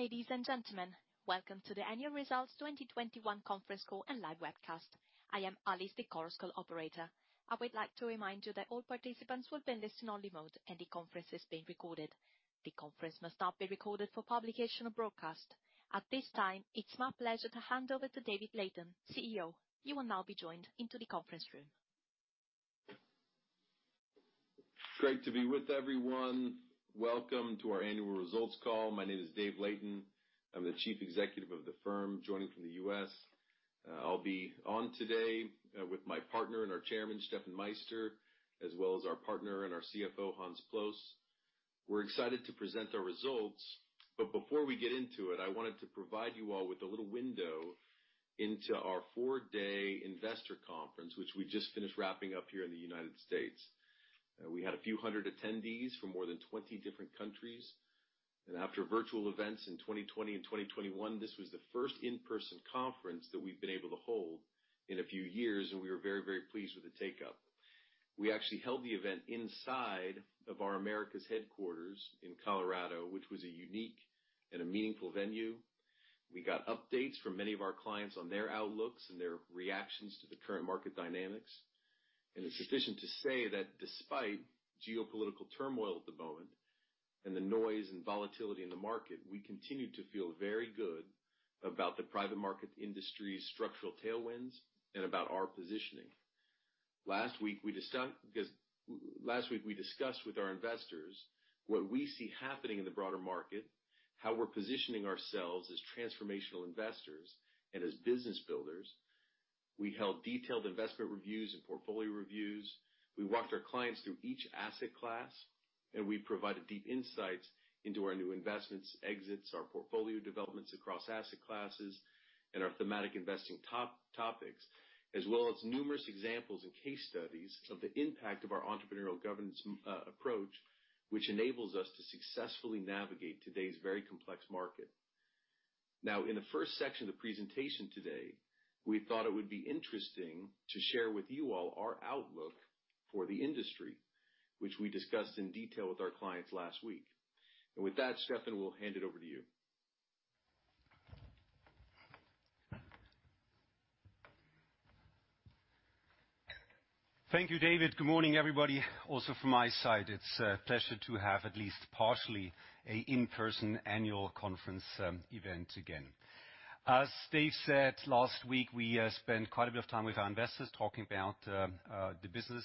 Ladies and gentlemen, welcome to the annual results 2021 conference call and live webcast. I am Alice, the conference call operator. I would like to remind you that all participants will be in listen-only mode, and the conference is being recorded. The conference must not be recorded for publication or broadcast. At this time, it's my pleasure to hand over to David Layton, CEO. You will now be joined into the conference room. Great to be with everyone. Welcome to our annual results call. My name is Dave Layton. I'm the Chief Executive of the firm, joining from the U.S. I'll be on today with my partner and our Chairman, Steffen Meister, as well as our partner and our CFO, Hans Ploos. We're excited to present our results, but before we get into it, I wanted to provide you all with a little window into our four-day investor conference, which we just finished wrapping up here in the United States. We had a few hundred attendees from more than 20 different countries. After virtual events in 2020 and 2021, this was the first in-person conference that we've been able to hold in a few years, and we were very, very pleased with the take-up. We actually held the event inside of our Americas headquarters in Colorado, which was a unique and a meaningful venue. We got updates from many of our clients on their outlooks and their reactions to the current market dynamics. It's sufficient to say that despite geopolitical turmoil at the moment and the noise and volatility in the market, we continue to feel very good about the private market industry's structural tailwinds and about our positioning. Because last week we discussed with our investors what we see happening in the broader market, how we're positioning ourselves as transformational investors and as business builders. We held detailed investment reviews and portfolio reviews. We walked our clients through each asset class, and we provided deep insights into our new investments, exits, our portfolio developments across asset classes, and our thematic investing top topics, as well as numerous examples and case studies of the impact of our entrepreneurial governance approach, which enables us to successfully navigate today's very complex market. Now, in the first section of the presentation today, we thought it would be interesting to share with you all our outlook for the industry, which we discussed in detail with our clients last week. With that, Steffen, we'll hand it over to you. Thank you, David. Good morning, everybody. Also from my side, it's a pleasure to have at least partially an in-person annual conference event again. As Dave said, last week, we spent quite a bit of time with our investors talking about the business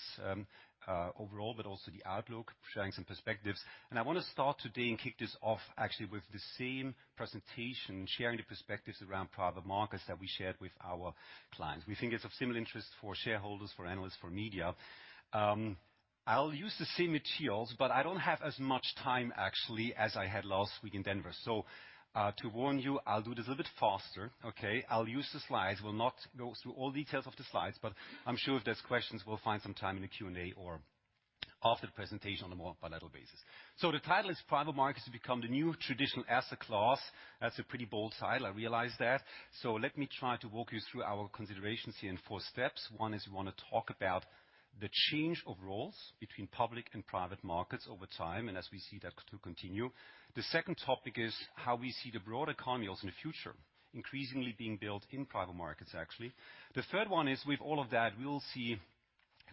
overall, but also the outlook, sharing some perspectives. I wanna start today and kick this off actually with the same presentation, sharing the perspectives around private markets that we shared with our clients. We think it's of similar interest for shareholders, for analysts, for media. I'll use the same materials, but I don't have as much time actually as I had last week in Denver. To warn you, I'll do this a little bit faster, okay? I'll use the slides. We'll not go through all details of the slides, but I'm sure if there's questions, we'll find some time in the Q&A or after the presentation on a more bilateral basis. The title is Private Markets Become the New Traditional Asset Class. That's a pretty bold title, I realize that. Let me try to walk you through our considerations here in four steps. One is we wanna talk about the change of roles between public and private markets over time, and as we see that to continue. The second topic is how we see the broader economies in the future increasingly being built in private markets, actually. The third one is with all of that, we will see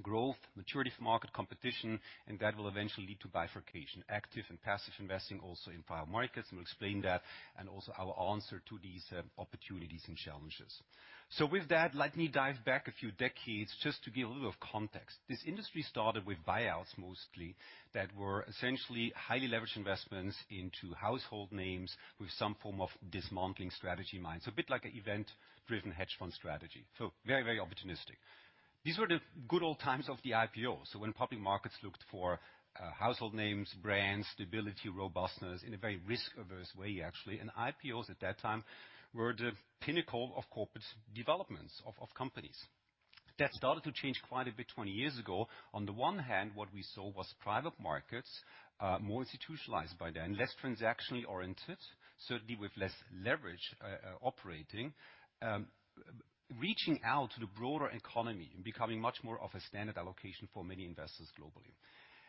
growth, maturity for market competition, and that will eventually lead to bifurcation, active and passive investing also in private markets, and we'll explain that, and also our answer to these, opportunities and challenges. With that, let me dive back a few decades just to give a little of context. This industry started with buyouts mostly that were essentially highly leveraged investments into household names with some form of dismantling strategy in mind. A bit like event-driven hedge fund strategy. Very, very opportunistic. These were the good old times of the IPOs. When public markets looked for household names, brands, stability, robustness in a very risk-averse way, actually. IPOs at that time were the pinnacle of corporate developments of companies. That started to change quite a bit 20 years ago. On the one hand, what we saw was private markets more institutionalized by then, less transactionally oriented, certainly with less leverage, reaching out to the broader economy and becoming much more of a standard allocation for many investors globally.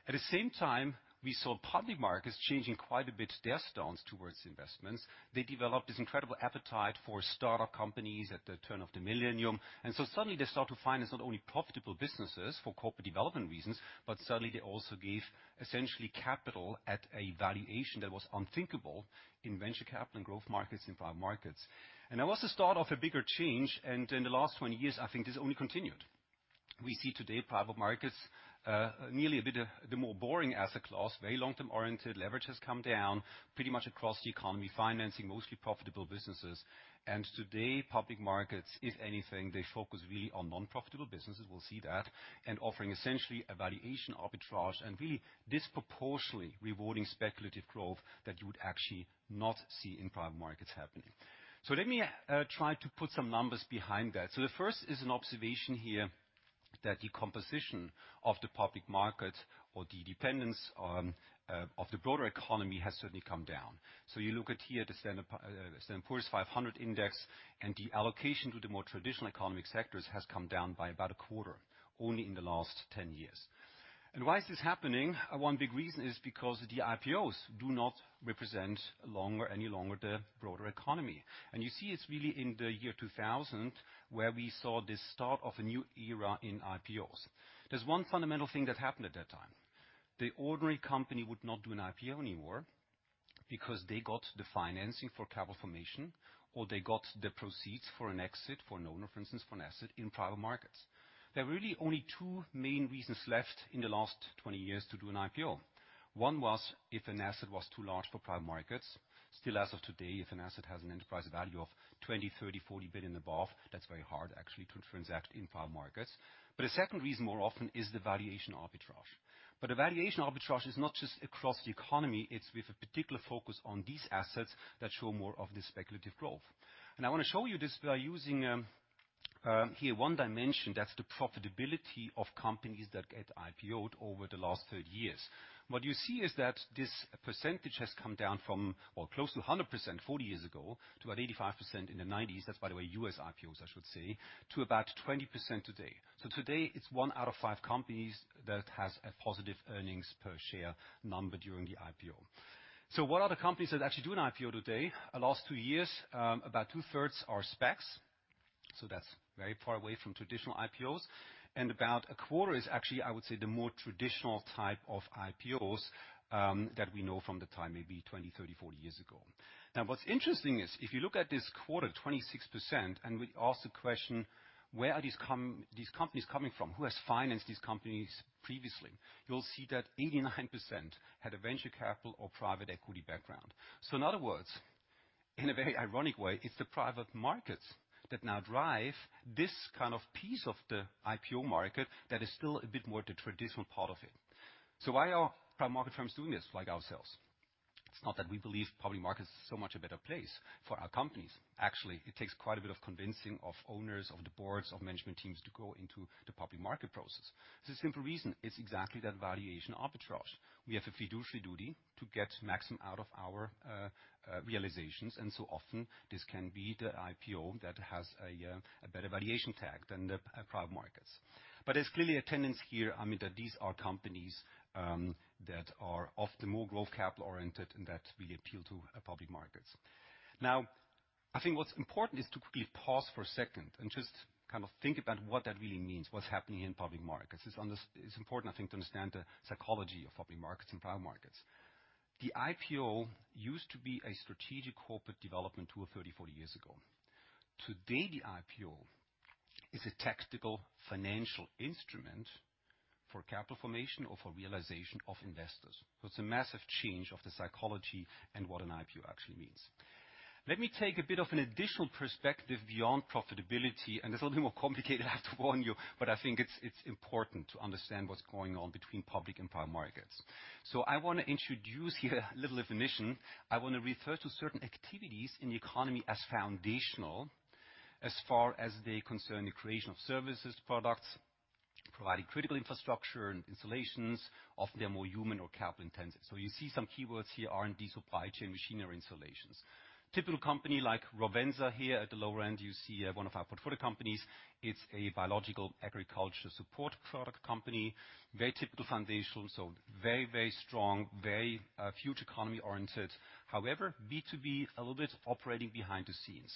At the same time, we saw public markets changing quite a bit their stance towards investments. They developed this incredible appetite for startup companies at the turn of the millennium. Suddenly they start to find it's not only profitable businesses for corporate development reasons, but suddenly they also give essentially capital at a valuation that was unthinkable in venture capital and growth markets, in private markets. That was the start of a bigger change. In the last 20 years, I think this only continued. We see today private markets nearly a bit more boring asset class, very long-term oriented. Leverage has come down pretty much across the economy, financing mostly profitable businesses. Today, public markets, if anything, they focus really on non-profitable businesses, we'll see that, and offering essentially a valuation arbitrage and really disproportionately rewarding speculative growth that you would actually not see in private markets happening. Let me try to put some numbers behind that. The first is an observation here that the composition of the public market or the dependence of the broader economy has certainly come down. You look at here the Standard & Poor's 500 index, and the allocation to the more traditional economic sectors has come down by about a quarter only in the last 10 years. Why is this happening? One big reason is because the IPOs do not represent any longer the broader economy. You see it's really in the year 2000 where we saw the start of a new era in IPOs. There's one fundamental thing that happened at that time. The ordinary company would not do an IPO anymore because they got the financing for capital formation, or they got the proceeds for an exit, for an owner, for instance, for an asset in private markets. There are really only two main reasons left in the last 20 years to do an IPO. One was if an asset was too large for private markets. Still as of today, if an asset has an enterprise value of 20 billion, 30 billion, 40 billion and above, that's very hard actually to transact in private markets. A second reason more often is the valuation arbitrage. A valuation arbitrage is not just across the economy, it's with a particular focus on these assets that show more of the speculative growth. I wanna show you this by using here one dimension, that's the profitability of companies that get IPO'd over the last 30 years. What you see is that this percentage has come down from or close to 100% 40 years ago to about 85% in the 1990s. That's by the way, U.S. IPOs, I should say, to about 20% today. Today it's one out of five companies that has a positive earnings per share number during the IPO. What are the companies that actually do an IPO today? The last two years, about two-thirds are SPACs, so that's very far away from traditional IPOs, and about a quarter is actually, I would say, the more traditional type of IPOs, that we know from the time maybe 20, 30, 40 years ago. What's interesting is if you look at this quarter, 26%, and we ask the question, where are these companies coming from? Who has financed these companies previously? You'll see that 89% had a venture capital or private equity background. In other words, in a very ironic way, it's the private markets that now drive this kind of piece of the IPO market that is still a bit more the traditional part of it. Why are private market firms doing this like ourselves? It's not that we believe public market is so much a better place for our companies. Actually, it takes quite a bit of convincing of owners, of the boards, of management teams to go into the public market process. There's a simple reason, it's exactly that valuation arbitrage. We have a fiduciary duty to get maximum out of our realizations, and so often this can be the IPO that has a better valuation tag than the private markets. But there's clearly a tendency here, I mean, that these are companies that are often more growth capital oriented and that really appeal to public markets. Now, I think what's important is to quickly pause for a second and just kind of think about what that really means, what's happening in public markets. It's important, I think, to understand the psychology of public markets and private markets. The IPO used to be a strategic corporate development tool 30-40 years ago. Today, the IPO is a tactical financial instrument for capital formation or for realization of investors. It's a massive change of the psychology and what an IPO actually means. Let me take a bit of an additional perspective beyond profitability, and it's a little bit more complicated, I have to warn you, but I think it's important to understand what's going on between public and private markets. I wanna introduce here a little definition. I wanna refer to certain activities in the economy as foundational as far as they concern the creation of services, products, providing critical infrastructure and installations. Often, they are more human or capital intensive. You see some keywords here, R&D, supply chain, machinery, installations. Typical company like Rovensa here at the lower end, you see, one of our portfolio companies. It's a biological agriculture support product company. Very typical foundational, so very, very strong, very, future economy oriented. However, B2B, a little bit operating behind the scenes.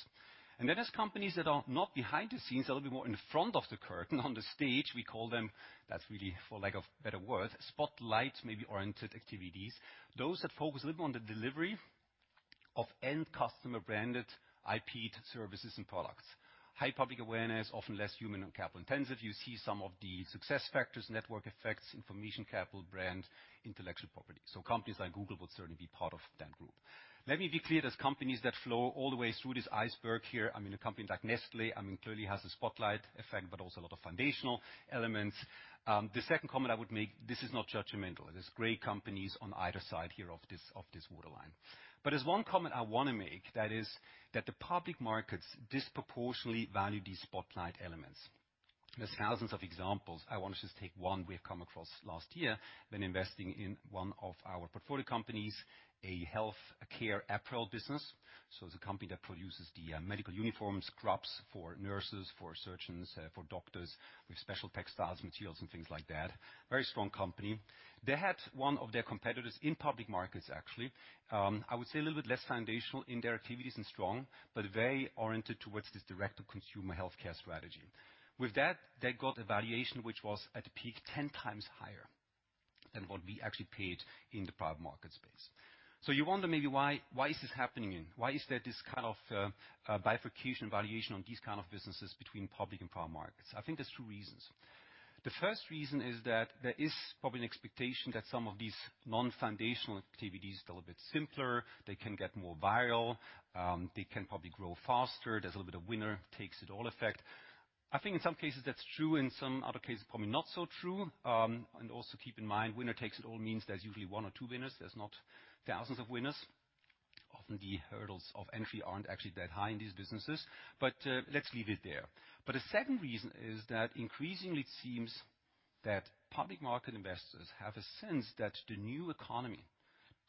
There's companies that are not behind the scenes, a little bit more in front of the curtain on the stage. We call them, that's really for lack of better word, spotlight maybe-oriented activities. Those that focus a little bit on the delivery of end customer branded IP services and products. High public awareness, often less human and capital intensive. You see some of the success factors, network effects, information capital, brand, intellectual property. Companies like Google would certainly be part of that group. Let me be clear. There's companies that flow all the way through this iceberg here. I mean, a company like Nestlé, I mean, clearly has a spotlight effect, but also a lot of foundational elements. The second comment I would make is that this is not judgmental. There are great companies on either side here of this waterline. There is one comment I want to make, and that is that the public markets disproportionately value these spotlight elements. There are thousands of examples. I want to just take one we have come across last year when investing in one of our portfolio companies, a healthcare apparel business. It is a company that produces the medical uniforms, scrubs for nurses, for surgeons, for doctors, with special textiles, materials, and things like that. Very strong company. They had one of their competitors in public markets, actually. I would say a little bit less foundational in their activities and strong, but very oriented towards this direct-to-consumer healthcare strategy. With that, they got a valuation which was at peak 10 times higher than what we actually paid in the private market space. You wonder maybe why is this happening? Why is there this kind of bifurcation valuation on these kind of businesses between public and private markets? I think there's two reasons. The first reason is that there is probably an expectation that some of these non-foundational activities are a little bit simpler. They can get more viral. They can probably grow faster. There's a little bit of winner-takes-it-all effect. I think in some cases that's true, in some other cases probably not so true. And also keep in mind, winner takes it all means there's usually one or two winners. There's not thousands of winners. Often, the hurdles of entry aren't actually that high in these businesses. Let's leave it there. A second reason is that increasingly it seems that public market investors have a sense that the new economy.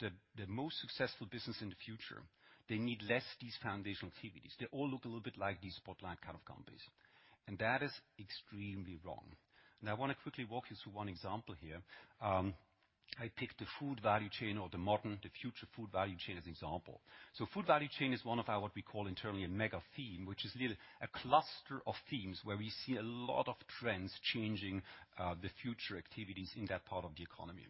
The most successful business in the future, they need less these foundational activities. They all look a little bit like these spotlight kind of companies, and that is extremely wrong. Now I wanna quickly walk you through one example here. I picked the food value chain or the modern, the future food value chain as example. Food value chain is one of our, what we call internally, a mega theme, which is really a cluster of themes where we see a lot of trends changing, the future activities in that part of the economy.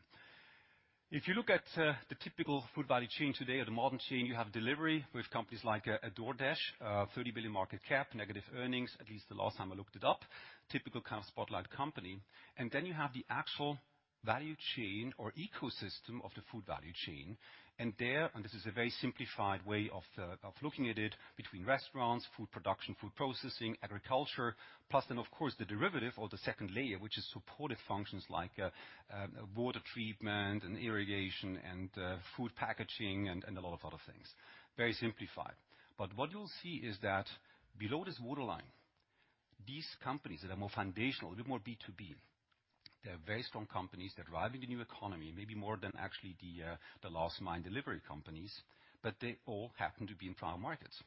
If you look at the typical food value chain today or the modern chain, you have delivery with companies like DoorDash, $30 billion market cap, negative earnings, at least the last time I looked it up. Typical kind of spotlight company. You have the actual value chain or ecosystem of the food value chain. There, and this is a very simplified way of looking at it, between restaurants, food production, food processing, agriculture, plus then of course, the derivative or the second layer, which is supportive functions like water treatment and irrigation and food packaging and a lot of other things. Very simplified. What you'll see is that below this waterline, these companies that are more foundational, a little more B2B, they're very strong companies. They're driving the new economy maybe more than actually the last mile delivery companies, but they all happen to be in private markets.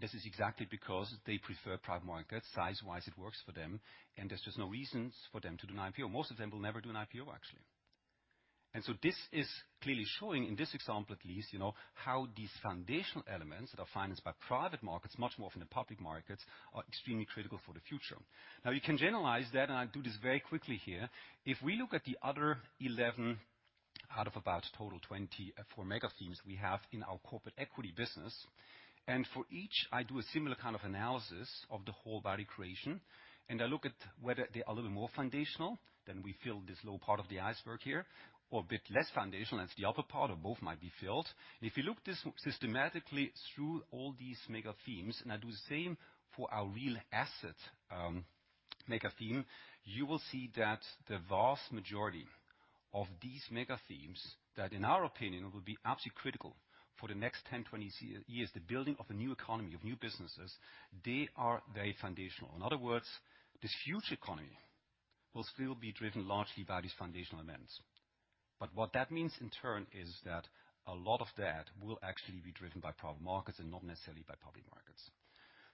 This is exactly because they prefer private markets. Size-wise, it works for them, and there's just no reasons for them to do an IPO. Most of them will never do an IPO, actually. This is clearly showing, in this example at least, you know, how these foundational elements that are financed by private markets, much more from the public markets, are extremely critical for the future. Now, you can generalize that, and I'll do this very quickly here. If we look at the other 11 out of about total 24 mega themes we have in our corporate equity business, and for each, I do a similar kind of analysis of the whole value creation. I look at whether they're a little more foundational, then we fill this low part of the iceberg here, or a bit less foundational, that's the upper part or both might be filled. If you look this systematically through all these mega themes, and I do the same for our real asset mega theme, you will see that the vast majority of these mega themes that in our opinion will be absolutely critical for the next 10, 20, 30 years, the building of a new economy, of new businesses, they are very foundational. In other words, this huge economy will still be driven largely by these foundational events. What that means in turn is that a lot of that will actually be driven by private markets and not necessarily by public markets.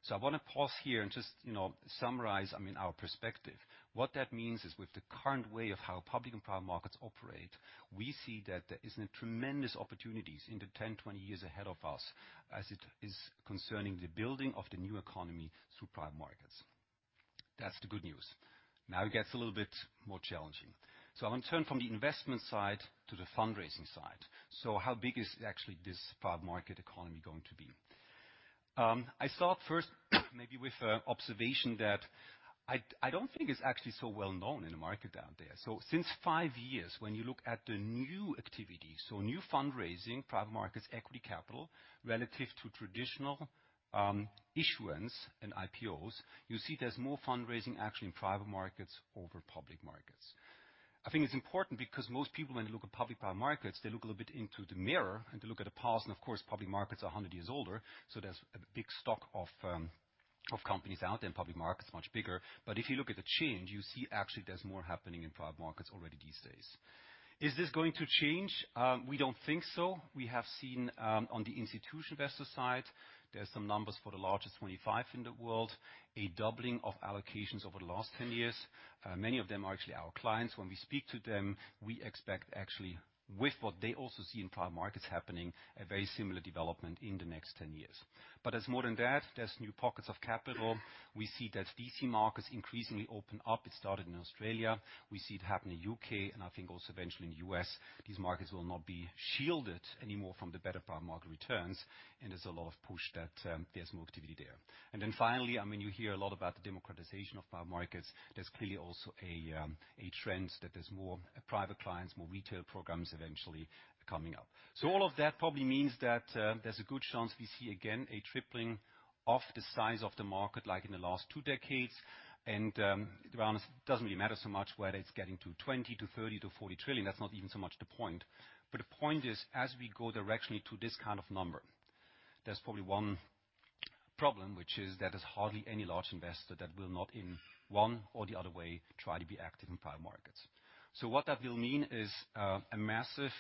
I wanna pause here and just, you know, summarize, I mean, our perspective. What that means is with the current way of how public and private markets operate, we see that there is a tremendous opportunities in the 10, 20 years ahead of us as it is concerning the building of the new economy through private markets. That's the good news. Now it gets a little bit more challenging. I wanna turn from the investment side to the fundraising side. How big is actually this private market economy going to be? I start first maybe with a observation that I don't think it's actually so well known in the market out there. Since 5 years when you look at the new activity, so new fundraising, private markets, equity capital, relative to traditional, issuance and IPOs, you see there's more fundraising actually in private markets over public markets. I think it's important because most people when they look at public and private markets, they look a little bit into the mirror and they look at the past, and of course public markets are 100 years older, so there's a big stock of companies out there in public markets, much bigger. If you look at the change, you see actually there's more happening in private markets already these days. Is this going to change? We don't think so. We have seen, on the institutional investor side, there's some numbers for the largest 25 in the world, a doubling of allocations over the last 10 years. Many of them are actually our clients. When we speak to them, we expect actually with what they also see in private markets happening, a very similar development in the next 10 years. There's more than that. There's new pockets of capital. We see that VC markets increasingly open up. It started in Australia. We see it happen in U.K., and I think also eventually in U.S., these markets will not be shielded anymore from the better private market returns, and there's a lot of push that, there's more activity there. Finally, I mean, you hear a lot about the democratization of private markets. There's clearly also a trend that there's more private clients, more retail programs eventually coming up. All of that probably means that, there's a good chance we see again a tripling of the size of the market like in the last two decades. To be honest, it doesn't really matter so much whether it's getting to 20-30-40 trillion. That's not even so much the point. The point is, as we go directionally to this kind of number, there's probably 1 problem which is there is hardly any large investor that will not in 1 or the other way try to be active in private markets. What that will mean is a massive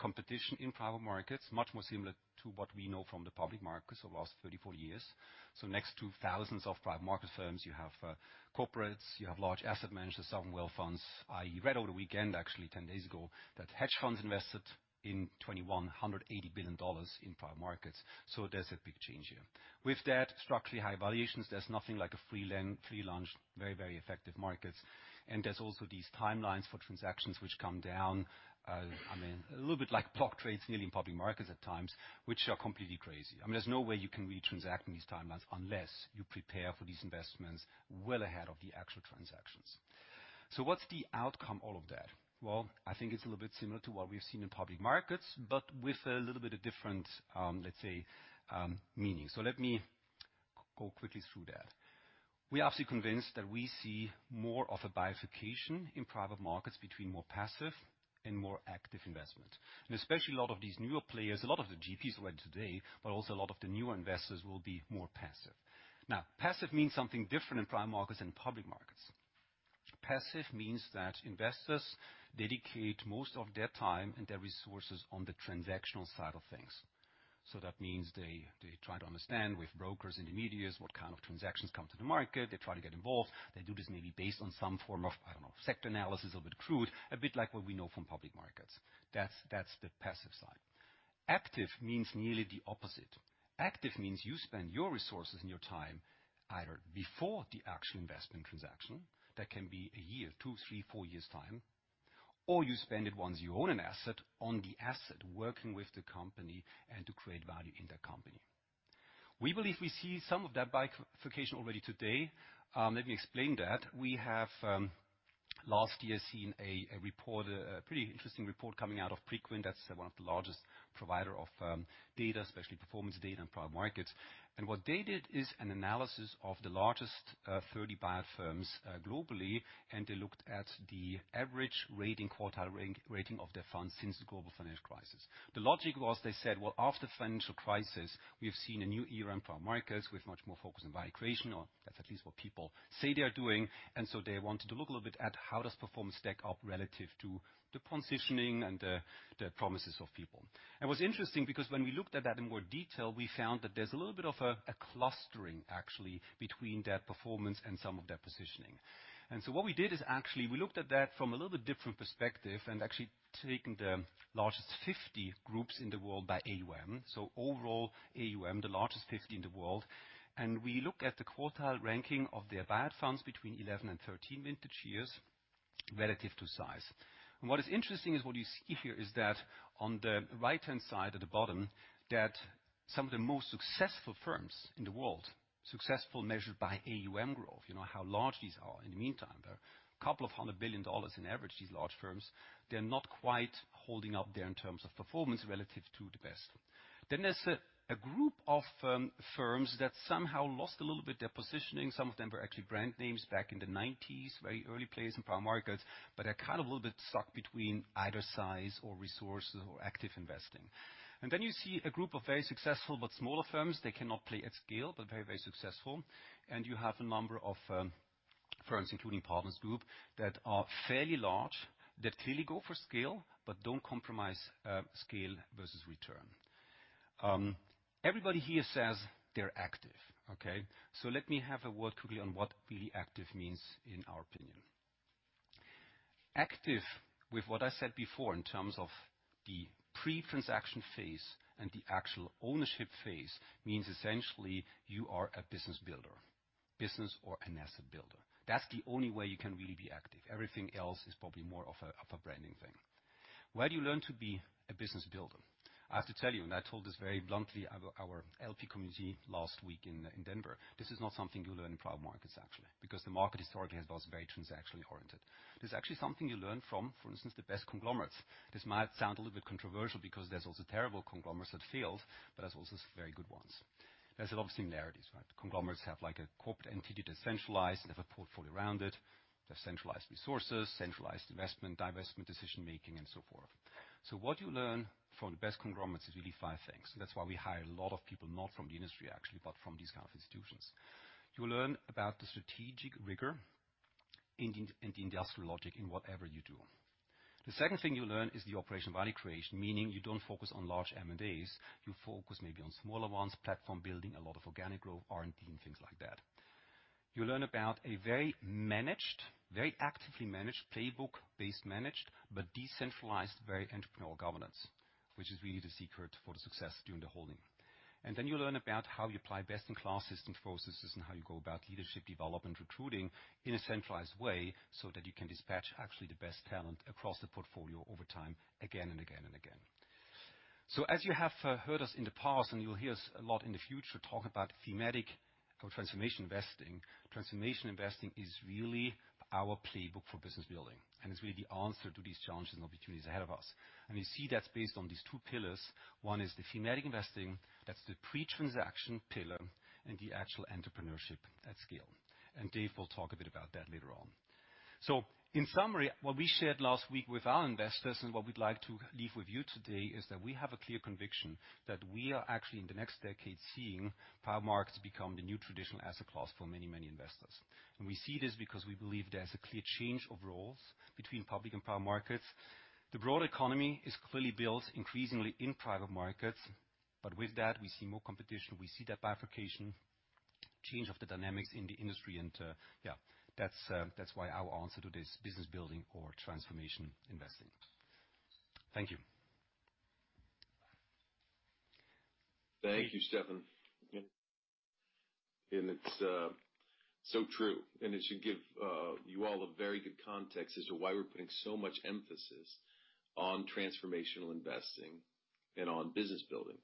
competition in private markets, much more similar to what we know from the public markets the last 30, 40 years. Next to thousands of private market firms, you have corporates, you have large asset managers, sovereign wealth funds. I read over the weekend actually 10 days ago that hedge funds invested $2,180 billion in private markets. There's a big change here. With that, structurally high valuations, there's nothing like a free lunch, very, very effective markets. There's also these timelines for transactions which come down, I mean, a little bit like block trades really in public markets at times, which are completely crazy. I mean, there's no way you can really transact in these timelines unless you prepare for these investments well ahead of the actual transactions. What's the outcome of all that? Well, I think it's a little bit similar to what we've seen in public markets, but with a little bit different, let's say, meaning. Let me go quickly through that. We are absolutely convinced that we see more of a bifurcation in private markets between more passive and more active investment. Especially a lot of these newer players, a lot of the GPs who are in today, but also a lot of the newer investors will be more passive. Passive means something different in private markets than public markets. Passive means that investors dedicate most of their time and their resources on the transactional side of things. That means they try to understand with brokers, intermediaries, what kind of transactions come to the market. They try to get involved. They do this maybe based on some form of, I don't know, sector analysis, a bit crude, a bit like what we know from public markets. That's the passive side. Active means nearly the opposite. Active means you spend your resources and your time either before the actual investment transaction, that can be a year, 2, 3, 4 years' time, or you spend it once you own an asset, on the asset, working with the company and to create value in the company. We believe we see some of that bifurcation already today. Let me explain that. We have last year seen a pretty interesting report coming out of Preqin. That's one of the largest provider of data, especially performance data in private markets. What they did is an analysis of the largest 30 buyout firms globally, and they looked at the average rating quartile ranking of their funds since the global financial crisis. The logic was they said, "Well, after financial crisis, we've seen a new era in private markets with much more focus on value creation," or that's at least what people say they are doing. They wanted to look a little bit at how does performance stack up relative to the positioning and the promises of people. What's interesting, because when we looked at that in more detail, we found that there's a little bit of a clustering actually between their performance and some of their positioning. What we did is actually we looked at that from a little bit different perspective and actually took the largest 50 groups in the world by AUM. Overall AUM, the largest 50 in the world, and we look at the quartile ranking of their buyout funds between 11 and 13 vintage years relative to size. What is interesting is what you see here is that on the right-hand side at the bottom, that some of the most successful firms in the world, successful measured by AUM growth, you know how large these are. In the meantime, they're a couple of hundred billion dollars on average, these large firms. They're not quite holding up there in terms of performance relative to the best. There's a group of firms that somehow lost a little bit their positioning. Some of them were actually brand names back in the nineties, very early players in private markets, but they're kind of a little bit stuck between either size or resources or active investing. You see a group of very successful but smaller firms. They cannot play at scale, but very, very successful. You have a number of firms, including Partners Group, that are fairly large, that clearly go for scale but don't compromise scale versus return. Everybody here says they're active, okay? Let me have a word quickly on what really active means in our opinion. Active with what I said before in terms of the pre-transaction phase and the actual ownership phase means essentially you are a business builder or an asset builder. That's the only way you can really be active. Everything else is probably more of a branding thing. Where do you learn to be a business builder? I have to tell you, and I told this very bluntly at our LP community last week in Denver, this is not something you learn in private markets, actually, because the market historically has been very transactionally oriented. This is actually something you learn from, for instance, the best conglomerates. This might sound a little bit controversial because there's also terrible conglomerates that failed, but there's also some very good ones. There's a lot of similarities, right? Conglomerates have like a corporate entity that's centralized. They have a portfolio around it. They have centralized resources, centralized investment, divestment decision-making, and so forth. What you learn from the best conglomerates is really five things. That's why we hire a lot of people, not from the industry actually, but from these kind of institutions. You learn about the strategic rigor in the industrial logic in whatever you do. The second thing you learn is the operational value creation, meaning you don't focus on large M&As. You focus maybe on smaller ones, platform building, a lot of organic growth, R&D, and things like that. You learn about a very managed, very actively managed playbook, base managed, but decentralized, very entrepreneurial governance, which is really the secret for the success during the holding. Then you learn about how you apply best in class systems, processes, and how you go about leadership development, recruiting in a centralized way, so that you can dispatch actually the best talent across the portfolio over time, again and again and again. As you have heard us in the past, and you'll hear us a lot in the future, talk about thematic or transformational investing. Transformational investing is really our playbook for business building, and it's really the answer to these challenges and opportunities ahead of us. We see that based on these two pillars. One is the thematic investing, that's the pre-transaction pillar and the actual entrepreneurship at scale. Dave will talk a bit about that later on. In summary, what we shared last week with our investors and what we'd like to leave with you today is that we have a clear conviction that we are actually in the next decade, seeing private markets become the new traditional asset class for many, many investors. We see this because we believe there's a clear change of roles between public and private markets. The broad economy is clearly built increasingly in private markets, but with that, we see more competition. We see that bifurcation change of the dynamics in the industry and that's why our answer to this business building or transformational investing. Thank you. Thank you, Steffen. It's so true, and it should give you all a very good context as to why we're putting so much emphasis on transformational investing and on business building.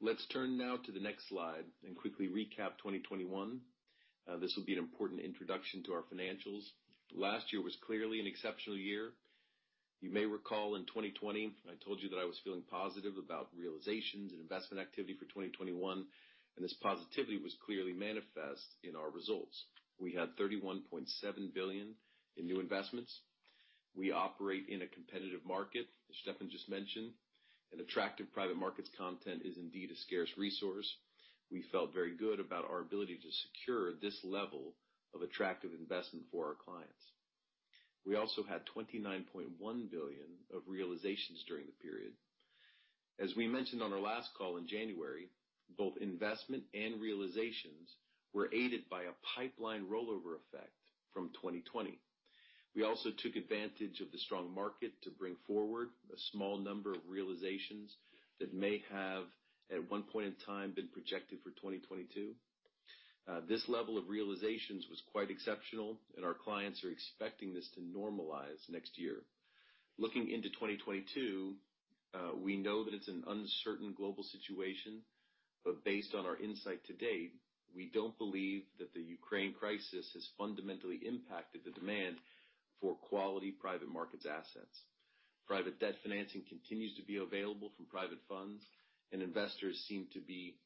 Let's turn now to the next slide and quickly recap 2021. This will be an important introduction to our financials. Last year was clearly an exceptional year. You may recall in 2020, I told you that I was feeling positive about realizations and investment activity for 2021, and this positivity was clearly manifest in our results. We had 31.7 billion in new investments. We operate in a competitive market, as Steffen just mentioned, and attractive private markets content is indeed a scarce resource. We felt very good about our ability to secure this level of attractive investment for our clients. We had 29.1 billion of realizations during the period. As we mentioned on our last call in January, both investment and realizations were aided by a pipeline rollover effect from 2020. We also took advantage of the strong market to bring forward a small number of realizations that may have, at one point in time, been projected for 2022. This level of realizations was quite exceptional and our clients are expecting this to normalize next year. Looking into 2022, we know that it's an uncertain global situation, but based on our insight to date, we don't believe that the Ukraine crisis has fundamentally impacted the demand for quality private markets assets. Private debt financing continues to be available from private funds, and investors seem to be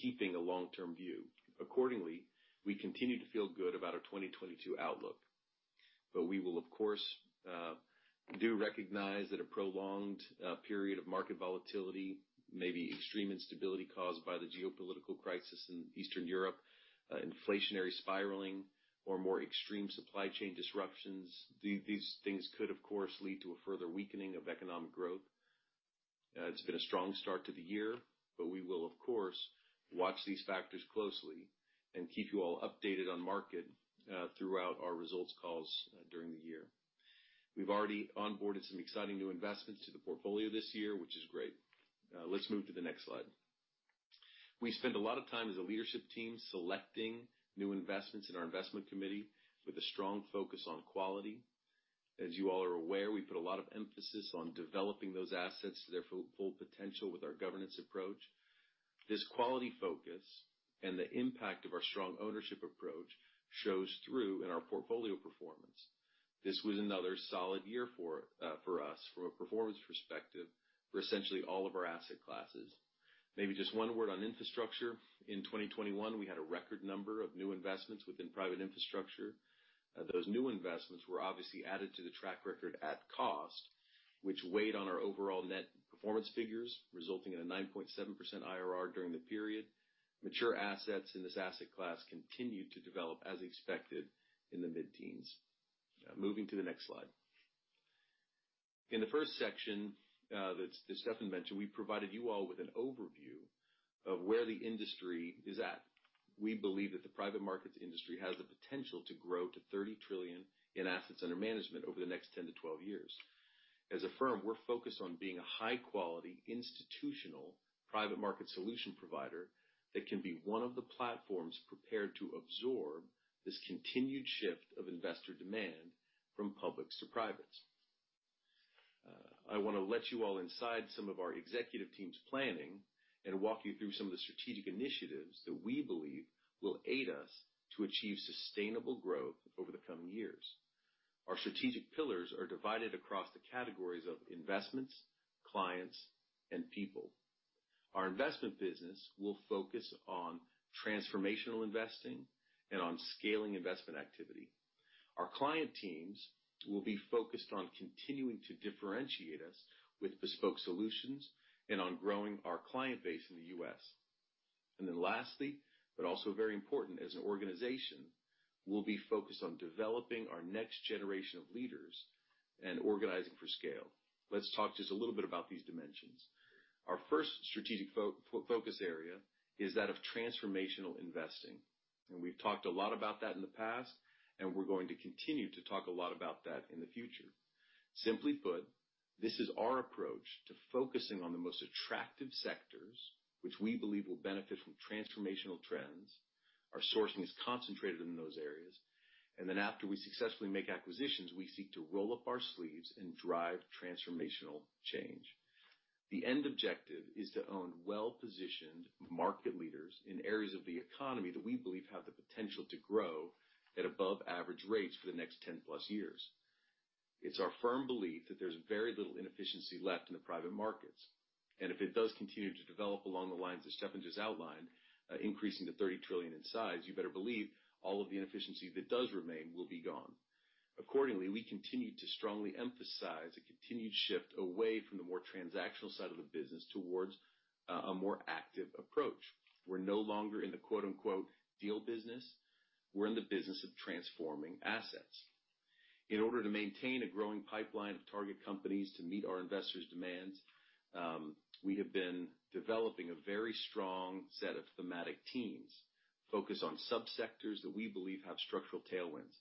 keeping a long-term view. Accordingly, we continue to feel good about our 2022 outlook. We will of course do recognize that a prolonged period of market volatility, maybe extreme instability caused by the geopolitical crisis in Eastern Europe, inflationary spiraling or more extreme supply chain disruptions, these things could of course lead to a further weakening of economic growth. It's been a strong start to the year, but we will of course watch these factors closely and keep you all updated on market throughout our results calls during the year. We've already onboarded some exciting new investments to the portfolio this year, which is great. Let's move to the next slide. We spend a lot of time as a leadership team selecting new investments in our investment committee with a strong focus on quality. As you all are aware, we put a lot of emphasis on developing those assets to their full potential with our governance approach. This quality focus and the impact of our strong ownership approach shows through in our portfolio performance. This was another solid year for us from a performance perspective for essentially all of our asset classes. Maybe just one word on infrastructure. In 2021, we had a record number of new investments within private infrastructure. Those new investments were obviously added to the track record at cost, which weighed on our overall net performance figures, resulting in a 9.7% IRR during the period. Mature assets in this asset class continued to develop as expected in the mid-teens. Moving to the next slide. In the first section, that Steffen mentioned, we provided you all with an overview of where the industry is at. We believe that the private markets industry has the potential to grow to 30 trillion in assets under management over the next 10-12 years. As a firm, we're focused on being a high-quality institutional private market solution provider that can be one of the platforms prepared to absorb this continued shift of investor demand from public to privates. I wanna let you all inside some of our executive team's planning and walk you through some of the strategic initiatives that we believe will aid us to achieve sustainable growth over the coming years. Our strategic pillars are divided across the categories of investments, clients, and people. Our investment business will focus on transformational investing and on scaling investment activity. Our client teams will be focused on continuing to differentiate us with bespoke solutions and on growing our client base in the U.S. Then lastly, but also very important as an organization, we'll be focused on developing our next generation of leaders and organizing for scale. Let's talk just a little bit about these dimensions. Our first strategic focus area is that of transformational investing, and we've talked a lot about that in the past, and we're going to continue to talk a lot about that in the future. Simply put, this is our approach to focusing on the most attractive sectors which we believe will benefit from transformational trends. Our sourcing is concentrated in those areas. Then after we successfully make acquisitions, we seek to roll up our sleeves and drive transformational change. The end objective is to own well-positioned market leaders in areas of the economy that we believe have the potential to grow at above average rates for the next 10+ years. It's our firm belief that there's very little inefficiency left in the private markets, and if it does continue to develop along the lines that Steffen just outlined, increasing to $30 trillion in size, you better believe all of the inefficiency that does remain will be gone. Accordingly, we continue to strongly emphasize a continued shift away from the more transactional side of the business towards a more active approach. We're no longer in the quote-unquote, "deal business". We're in the business of transforming assets. In order to maintain a growing pipeline of target companies to meet our investors' demands, we have been developing a very strong set of thematic teams focused on sub-sectors that we believe have structural tailwinds,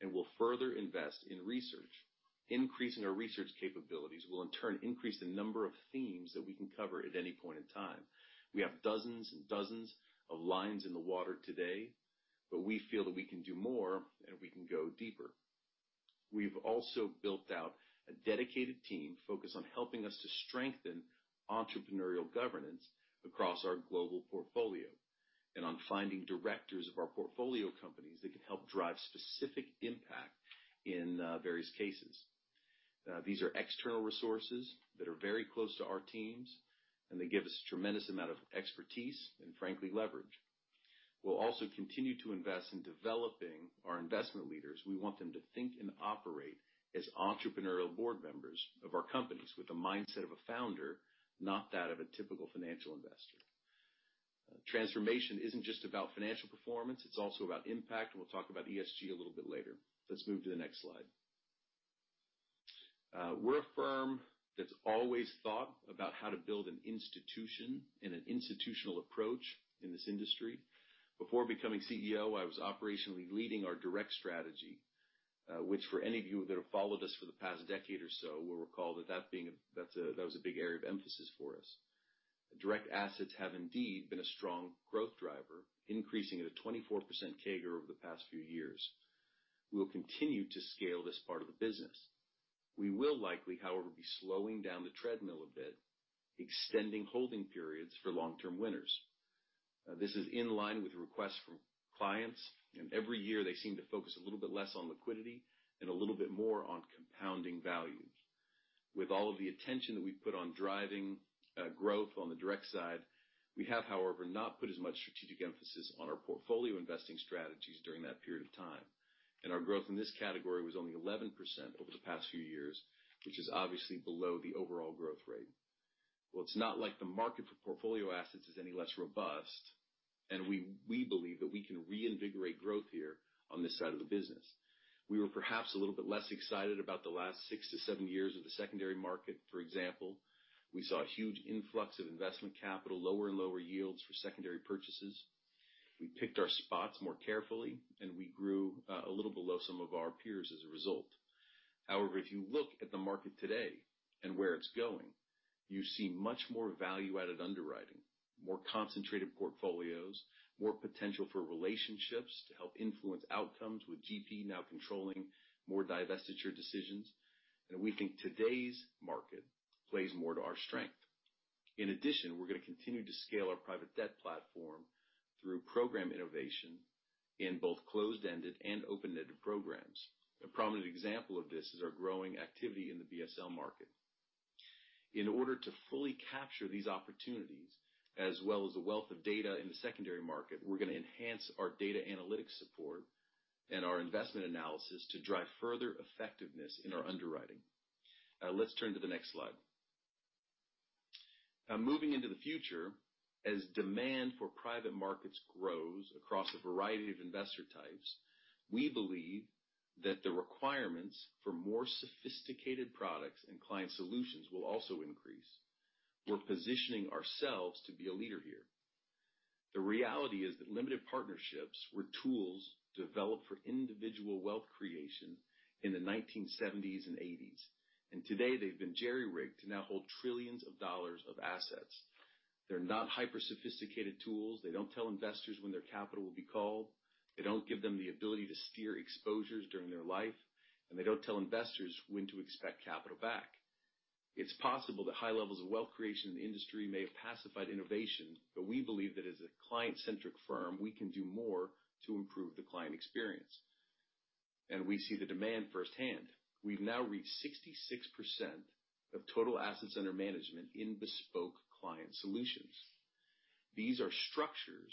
and we'll further invest in research. Increasing our research capabilities will in turn increase the number of themes that we can cover at any point in time. We have dozens and dozens of lines in the water today, but we feel that we can do more and we can go deeper. We've also built out a dedicated team focused on helping us to strengthen entrepreneurial governance across our global portfolio and on finding directors of our portfolio companies that can help drive specific impact in various cases. These are external resources that are very close to our teams, and they give us a tremendous amount of expertise and frankly, leverage. We'll also continue to invest in developing our investment leaders. We want them to think and operate as entrepreneurial board members of our companies with the mindset of a founder, not that of a typical financial investor. Transformation isn't just about financial performance, it's also about impact, and we'll talk about ESG a little bit later. Let's move to the next slide. We're a firm that's always thought about how to build an institution and an institutional approach in this industry. Before becoming CEO, I was operationally leading our direct strategy, which for any of you that have followed us for the past decade or so will recall was a big area of emphasis for us. Direct assets have indeed been a strong growth driver, increasing at a 24% CAGR over the past few years. We'll continue to scale this part of the business. We will likely, however, be slowing down the treadmill a bit, extending holding periods for long-term winners. This is in line with requests from clients, and every year they seem to focus a little bit less on liquidity and a little bit more on compounding value. With all of the attention that we put on driving growth on the direct side, we have, however, not put as much strategic emphasis on our portfolio investing strategies during that period of time. Our growth in this category was only 11% over the past few years, which is obviously below the overall growth rate. Well, it's not like the market for portfolio assets is any less robust, and we believe that we can reinvigorate growth here on this side of the business. We were perhaps a little bit less excited about the last 6-7 years of the secondary market. For example, we saw a huge influx of investment capital, lower and lower yields for secondary purchases. We picked our spots more carefully, and we grew a little below some of our peers as a result. However, if you look at the market today and where it's going, you see much more value-added underwriting, more concentrated portfolios, more potential for relationships to help influence outcomes with GP now controlling more divestiture decisions. We think today's market plays more to our strength. In addition, we're gonna continue to scale our private debt platform through program innovation in both closed-ended and open-ended programs. A prominent example of this is our growing activity in the BSL market. In order to fully capture these opportunities, as well as the wealth of data in the secondary market, we're gonna enhance our data analytics support and our investment analysis to drive further effectiveness in our underwriting. Let's turn to the next slide. Now, moving into the future, as demand for private markets grows across a variety of investor types, we believe that the requirements for more sophisticated products and client solutions will also increase. We're positioning ourselves to be a leader here. The reality is that limited partnerships were tools developed for individual wealth creation in the nineteen seventies and eighties, and today they've been jerry-rigged to now hold trillions of dollars of assets. They're not hyper-sophisticated tools. They don't tell investors when their capital will be called, they don't give them the ability to steer exposures during their life, and they don't tell investors when to expect capital back. It's possible that high levels of wealth creation in the industry may have pacified innovation, but we believe that as a client-centric firm, we can do more to improve the client experience. We see the demand firsthand. We've now reached 66% of total assets under management in bespoke client solutions. These are structures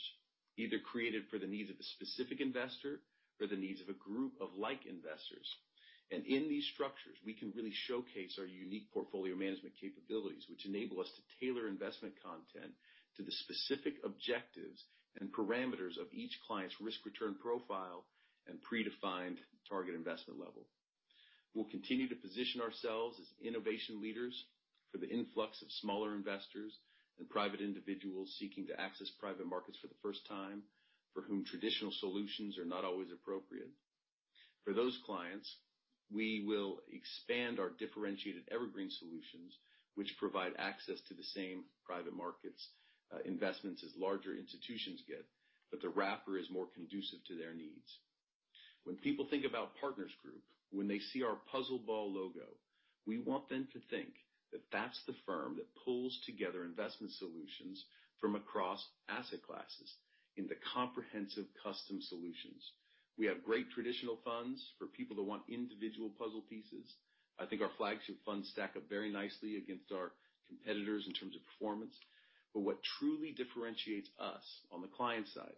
either created for the needs of a specific investor or the needs of a group of like investors. In these structures, we can really showcase our unique portfolio management capabilities, which enable us to tailor investment content to the specific objectives and parameters of each client's risk-return profile and predefined target investment level. We'll continue to position ourselves as innovation leaders for the influx of smaller investors and private individuals seeking to access private markets for the first time, for whom traditional solutions are not always appropriate. For those clients, we will expand our differentiated evergreen solutions, which provide access to the same private markets investments as larger institutions get, but the wrapper is more conducive to their needs. When people think about Partners Group, when they see our puzzle ball logo, we want them to think that that's the firm that pulls together investment solutions from across asset classes into comprehensive custom solutions. We have great traditional funds for people that want individual puzzle pieces. I think our flagship funds stack up very nicely against our competitors in terms of performance. What truly differentiates us on the client side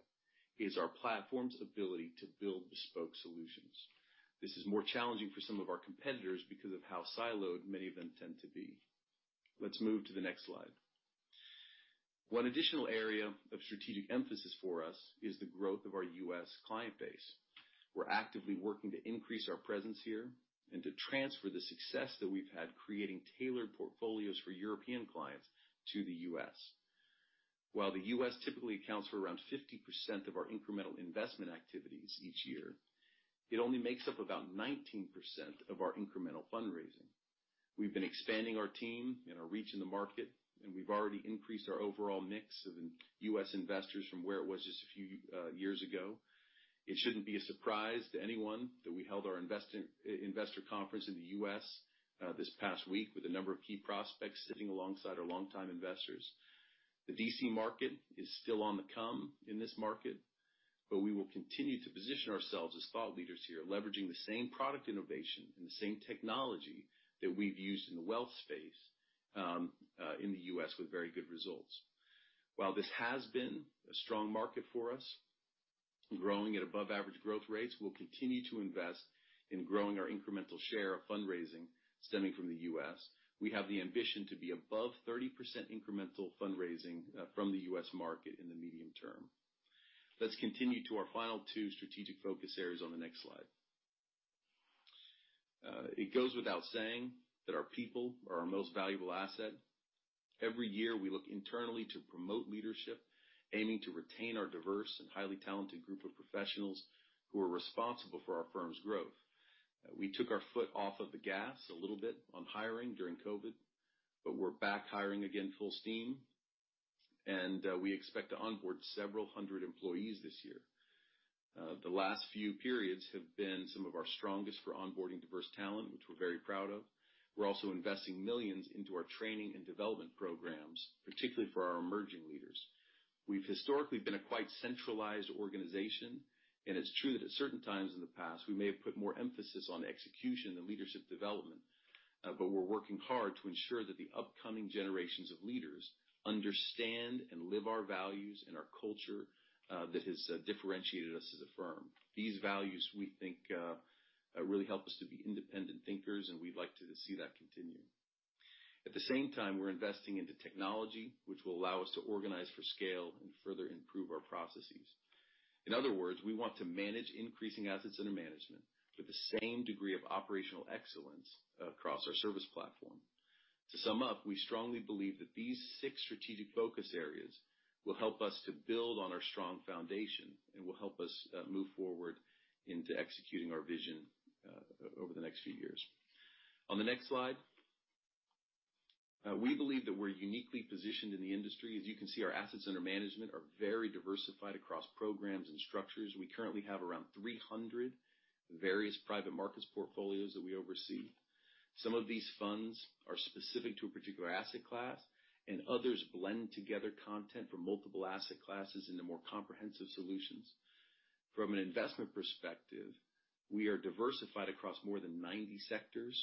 is our platform's ability to build bespoke solutions. This is more challenging for some of our competitors because of how siloed many of them tend to be. Let's move to the next slide. One additional area of strategic emphasis for us is the growth of our U.S. client base. We're actively working to increase our presence here and to transfer the success that we've had creating tailored portfolios for European clients to the U.S. While the U.S. typically accounts for around 50% of our incremental investment activities each year, it only makes up about 19% of our incremental fundraising. We've been expanding our team and our reach in the market, and we've already increased our overall mix of U.S. investors from where it was just a few years ago. It shouldn't be a surprise to anyone that we held our investor conference in the U.S. this past week with a number of key prospects sitting alongside our longtime investors. The VC market is still on the comeback in this market, but we will continue to position ourselves as thought leaders here, leveraging the same product innovation and the same technology that we've used in the wealth space in the U.S. with very good results. While this has been a strong market for us, growing at above average growth rates, we'll continue to invest in growing our incremental share of fundraising stemming from the U.S. We have the ambition to be above 30% incremental fundraising from the U.S. market in the medium term. Let's continue to our final two strategic focus areas on the next slide. It goes without saying that our people are our most valuable asset. Every year, we look internally to promote leadership, aiming to retain our diverse and highly talented group of professionals who are responsible for our firm's growth. We took our foot off of the gas a little bit on hiring during COVID, but we're back hiring again full steam, and we expect to onboard several hundred employees this year. The last few periods have been some of our strongest for onboarding diverse talent, which we're very proud of. We're also investing millions into our training and development programs, particularly for our emerging leaders. We've historically been a quite centralized organization, and it's true that at certain times in the past, we may have put more emphasis on execution than leadership development, but we're working hard to ensure that the upcoming generations of leaders understand and live our values and our culture that has really helped us to be independent thinkers, and we'd like to see that continue. At the same time, we're investing into technology which will allow us to organize for scale and further improve our processes. In other words, we want to manage increasing assets under management with the same degree of operational excellence across our service platform. To sum up, we strongly believe that these six strategic focus areas will help us to build on our strong foundation and will help us move forward into executing our vision over the next few years. On the next slide. We believe that we're uniquely positioned in the industry. As you can see, our assets under management are very diversified across programs and structures. We currently have around 300 various private markets portfolios that we oversee. Some of these funds are specific to a particular asset class, and others blend together content from multiple asset classes into more comprehensive solutions. From an investment perspective, we are diversified across more than 90 sectors.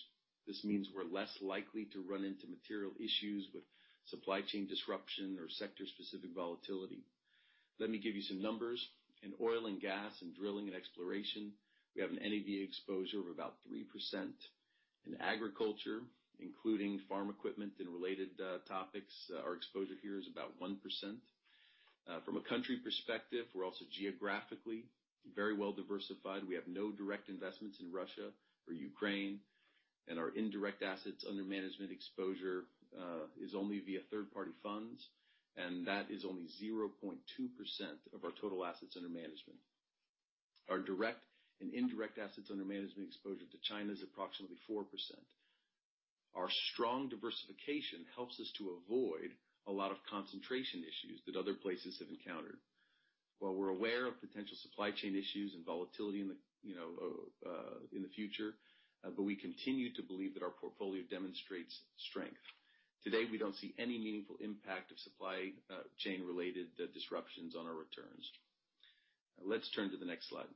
This means we're less likely to run into material issues with supply chain disruption or sector-specific volatility. Let me give you some numbers. In oil and gas and drilling and exploration, we have an NAV exposure of about 3%. In agriculture, including farm equipment and related topics, our exposure here is about 1%. From a country perspective, we're also geographically very well-diversified. We have no direct investments in Russia or Ukraine, and our indirect assets under management exposure is only via third-party funds, and that is only 0.2% of our total assets under management. Our direct and indirect assets under management exposure to China is approximately 4%. Our strong diversification helps us to avoid a lot of concentration issues that other places have encountered. While we're aware of potential supply chain issues and volatility in the, you know, in the future, but we continue to believe that our portfolio demonstrates strength. Today, we don't see any meaningful impact of supply chain-related disruptions on our returns. Let's turn to the next slide.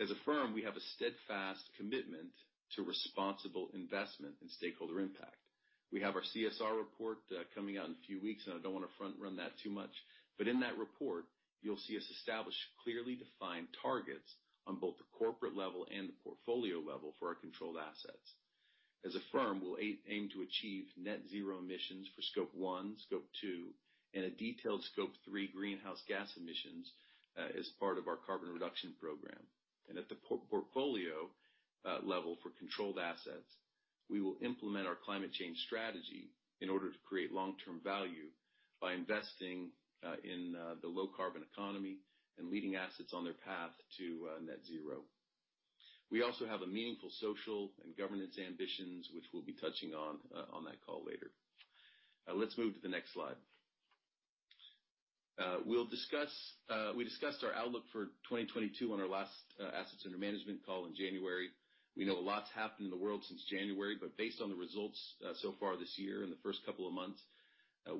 As a firm, we have a steadfast commitment to responsible investment and stakeholder impact. We have our CSR report coming out in a few weeks, and I don't wanna front-run that too much. In that report, you'll see us establish clearly defined targets on both the corporate level and the portfolio level for our controlled assets. As a firm, we'll aim to achieve net zero emissions for Scope 1, Scope 2, and a detailed Scope 3 greenhouse gas emissions as part of our carbon reduction program. At the portfolio level for controlled assets, we will implement our climate change strategy in order to create long-term value by investing in the low carbon economy and leading assets on their path to net zero. We also have a meaningful social and governance ambitions, which we'll be touching on on that call later. Let's move to the next slide. We discussed our outlook for 2022 on our last assets under management call in January. We know a lot's happened in the world since January, but based on the results so far this year in the first couple of months,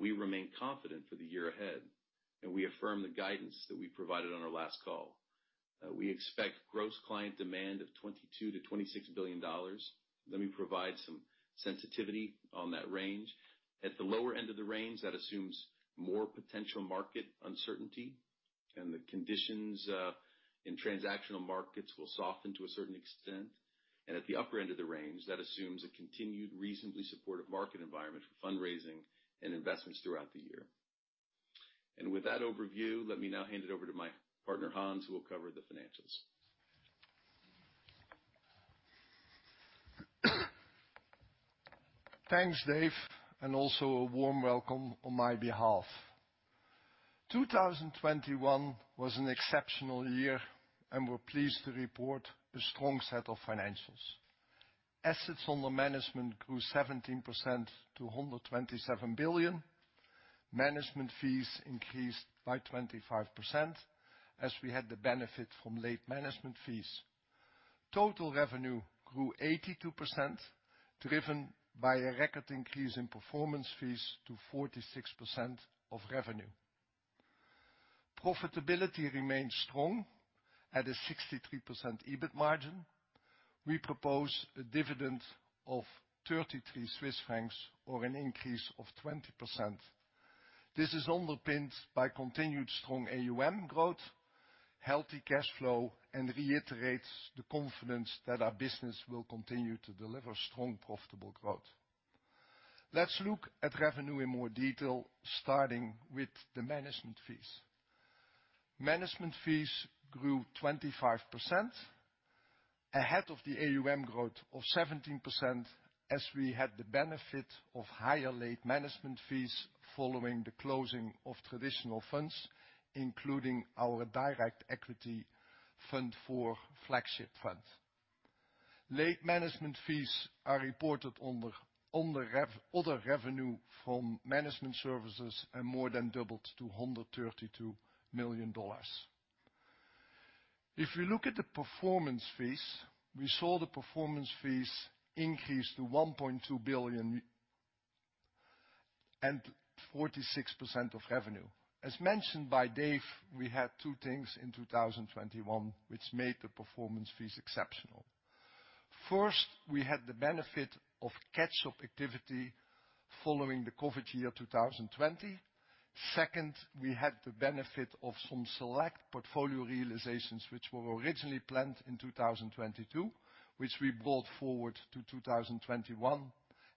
we remain confident for the year ahead, and we affirm the guidance that we provided on our last call. We expect gross client demand of $22 billion-$26 billion. Let me provide some sensitivity on that range. At the lower end of the range, that assumes more potential market uncertainty, and the conditions in transactional markets will soften to a certain extent. At the upper end of the range, that assumes a continued reasonably supportive market environment for fundraising and investments throughout the year. With that overview, let me now hand it over to my partner, Hans, who will cover the financials. Thanks, Dave, and also a warm welcome on my behalf. 2021 was an exceptional year, and we're pleased to report a strong set of financials. Assets under management grew 17% to 127 billion. Management fees increased by 25%, as we had the benefit from late management fees. Total revenue grew 82%, driven by a record increase in performance fees to 46% of revenue. Profitability remains strong at a 63% EBIT margin. We propose a dividend of 33 Swiss francs or an increase of 20%. This is underpinned by continued strong AUM growth, healthy cash flow, and reiterates the confidence that our business will continue to deliver strong profitable growth. Let's look at revenue in more detail, starting with the management fees. Management fees grew 25%, ahead of the AUM growth of 17%, as we had the benefit of higher late management fees following the closing of traditional funds, including our direct equity fund our flagship fund. Late management fees are reported under other revenue from management services and more than doubled to $132 million. If you look at the performance fees, we saw the performance fees increase to $1.2 billion and 46% of revenue. As mentioned by Dave, we had two things in 2021 which made the performance fees exceptional. First, we had the benefit of catch-up activity following the COVID year 2020. Second, we had the benefit of some select portfolio realizations which were originally planned in 2022, which we brought forward to 2021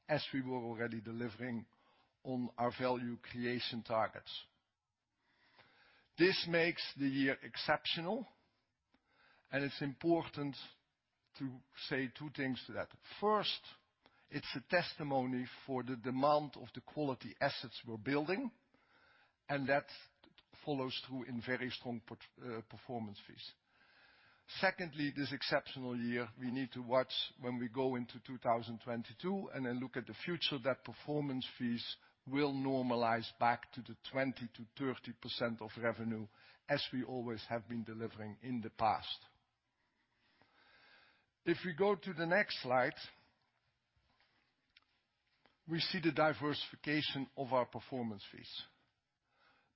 as we were already delivering on our value creation targets. This makes the year exceptional, and it's important to say two things to that. First, it's a testimony for the demand of the quality assets we're building, and that follows through in very strong performance fees. Secondly, this exceptional year, we need to watch when we go into 2022 and then look at the future that performance fees will normalize back to the 20%-30% of revenue as we always have been delivering in the past. If we go to the next slide, we see the diversification of our performance fees.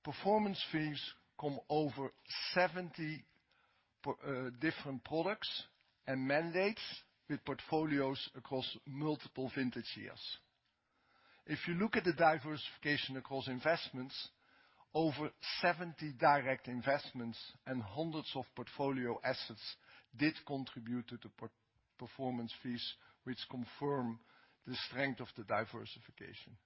Performance fees come from over 70% different products and mandates with portfolios across multiple vintage years. If you look at the diversification across investments, over 70 direct investments and hundreds of portfolio assets did contribute to the performance fees, which confirm the strength of the diversification.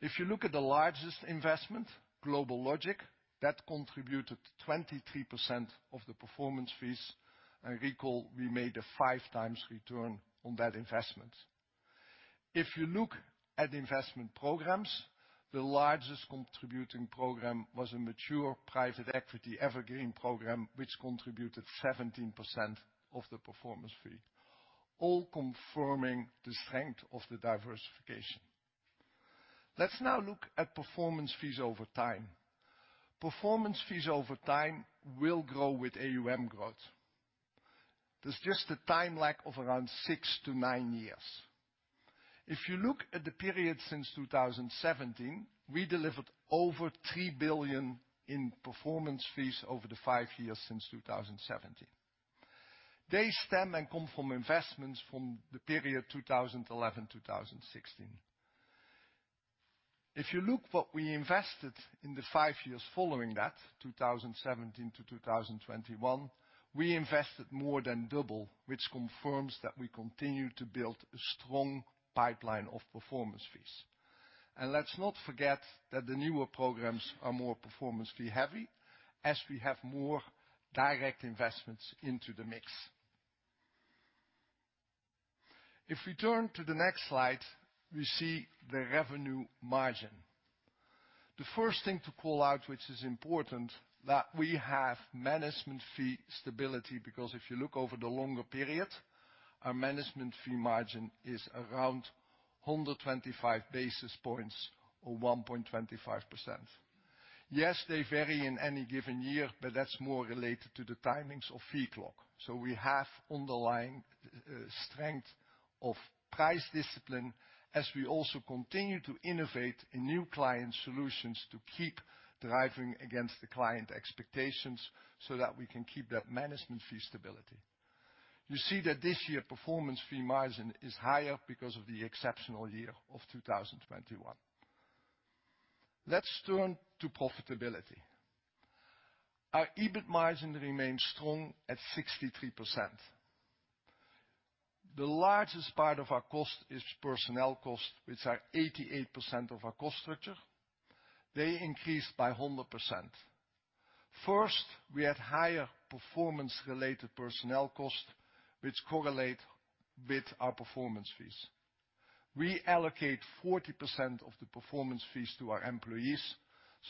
If you look at the largest investment, GlobalLogic, that contributed 23% of the performance fees. Recall we made a 5x return on that investment. If you look at investment programs, the largest contributing program was a mature private equity evergreen program, which contributed 17% of the performance fee, all confirming the strength of the diversification. Let's now look at performance fees over time. Performance fees over time will grow with AUM growth. There's just a time lag of around 6-9 years. If you look at the period since 2017, we delivered over 3 billion in performance fees over the five years since 2017. They stem and come from investments from the period 2011-2016. If you look what we invested in the five years following that, 2017-2021, we invested more than double, which confirms that we continue to build a strong pipeline of performance fees. Let's not forget that the newer programs are more performance fee heavy as we have more direct investments into the mix. If we turn to the next slide, we see the revenue margin. The first thing to call out, which is important, that we have management fee stability, because if you look over the longer period, our management fee margin is around 125 basis points or 1.25%. Yes, they vary in any given year, but that's more related to the timings of fee close. So we have underlying strength of price discipline as we also continue to innovate in new client solutions to keep driving against the client expectations so that we can keep that management fee stability. You see that this year, performance fee margin is higher because of the exceptional year of 2021. Let's turn to profitability. Our EBIT margin remains strong at 63%. The largest part of our cost is personnel cost, which are 88% of our cost structure. They increased by 100%. First, we had higher performance-related personnel cost, which correlate with our performance fees. We allocate 40% of the performance fees to our employees,